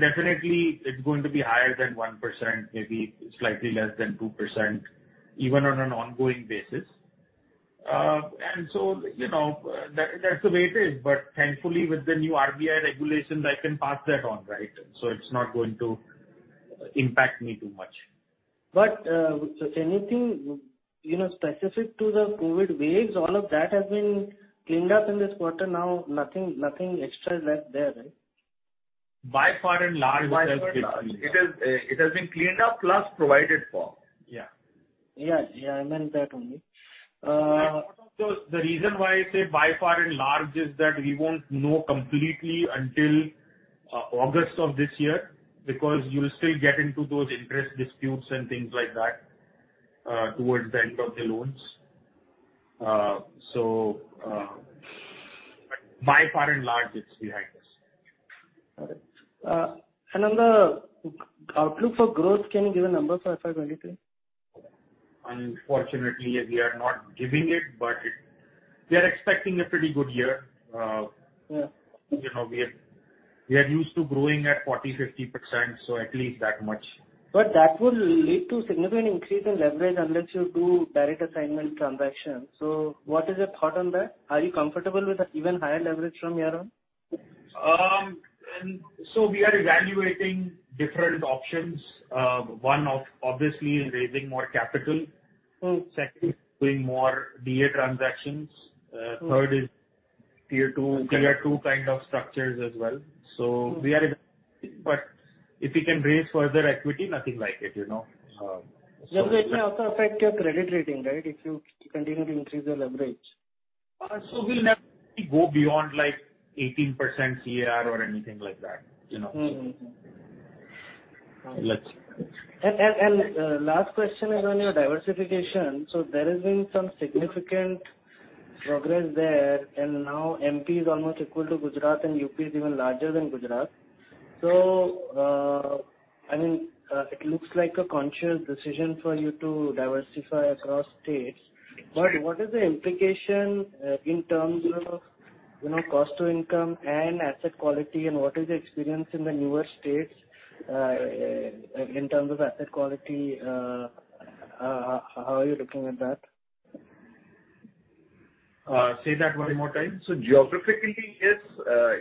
Definitely it's going to be higher than 1%, maybe slightly less than 2%, even on an ongoing basis. You know, that's the way it is. Thankfully with the new RBI regulations, I can pass that on, right? It's not going to impact me too much. Anything, you know, specific to the COVID waves, all of that has been cleaned up in this quarter now, nothing extra is left there, right? By and large. By and large. It is, it has been cleaned up plus provided for. Yeah. Yeah. I meant that only. The reason why I say by far and large is that we won't know completely until August of this year, because you'll still get into those interest disputes and things like that, towards the end of the loans. By far and large, it's behind us. All right. On the outlook for growth, can you give a number for FY 23? Unfortunately, we are not giving it, but we are expecting a pretty good year. Yeah. You know, we are used to growing at 40%-50%, so at least that much. That will lead to significant increase in leverage unless you do direct assignment transactions. What is your thought on that? Are you comfortable with an even higher leverage from here on? We are evaluating different options. One obviously is raising more capital. Second is doing more DA transactions. Third is Tier 2- Okay. Tier 2 kind of structures as well. We are evaluating. If we can raise further equity, nothing like it, you know? It may also affect your credit rating, right? If you continue to increase the leverage. We'll never go beyond like 18% CAR or anything like that, you know? Let's- Last question is on your diversification. There has been some significant progress there. Now M.P. is almost equal to Gujarat and U.P. is even larger than Gujarat. I mean, it looks like a conscious decision for you to diversify across states. Exactly. What is the implication, in terms of, you know, cost to income and asset quality? What is the experience in the newer states, in terms of asset quality? How are you looking at that? Say that one more time. Geographically, yes,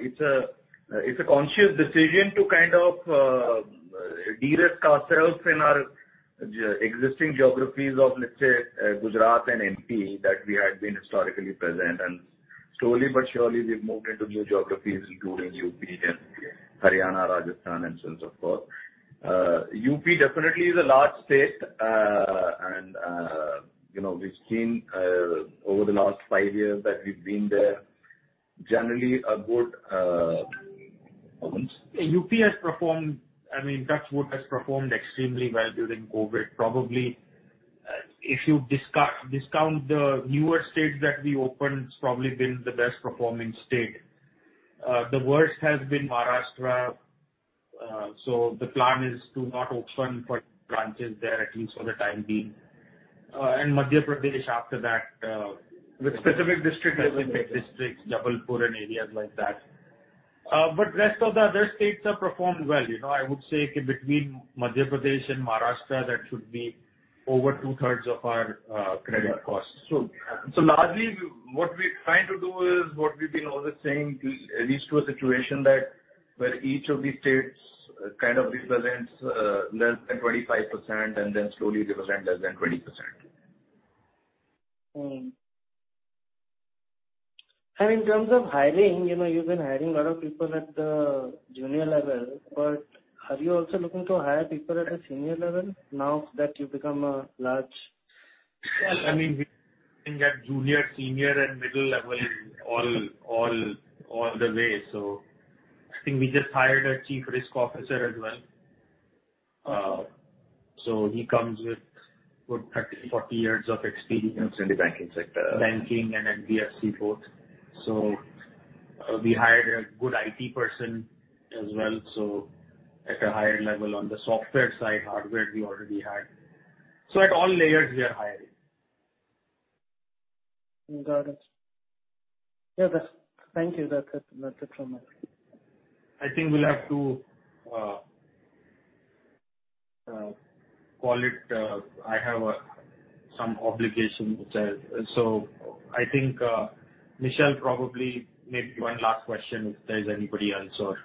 it's a conscious decision to kind of de-risk ourselves in our existing geographies of, let's say, Gujarat and M.P., that we had been historically present. Slowly but surely, we've moved into new geographies including U.P. and Haryana, Rajasthan and so on, so forth. U.P. definitely is a large state. You know, we've seen over the last five years that we've been there. Generally, UP has performed, I mean, touch wood, has performed extremely well during COVID. Probably, if you discount the newer states that we opened, it's probably been the best performing state. The worst has been Maharashtra. The plan is to not open branches there at least for the time being. Madhya Pradesh after that. Which specific district? Specific districts, Jabalpur and areas like that. Rest of the other states have performed well. You know, I would say between Madhya Pradesh and Maharashtra, that should be over 2/3 of our credit costs. Largely what we're trying to do is what we've been always saying, to reach to a situation that where each of these states kind of represents less than 25% and then slowly represent less than 20%. In terms of hiring, you know, you've been hiring a lot of people at the junior level. Are you also looking to hire people at a senior level now that you've become a large? Well, I mean, we've been hiring at junior, senior, and middle level in all the way. I think we just hired a chief risk officer as well. He comes with good 30-40 years of experience. In the banking sector. Banking and NBFC both. We hired a good IT person as well, so at a higher level on the software side. Hardware we already had. At all layers we are hiring. Got it. Yeah, that's. Thank you. That's it from my side. I think we'll have to call it. I have some obligation. I think, Michelle, probably maybe one last question, if there's anybody else or?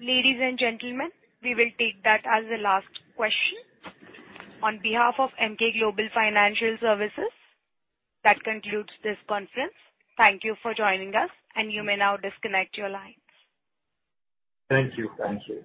Ladies and gentlemen, we will take that as the last question. On behalf of Emkay Global Financial Services, that concludes this conference. Thank you for joining us, and you may now disconnect your lines. Thank you. Thank you.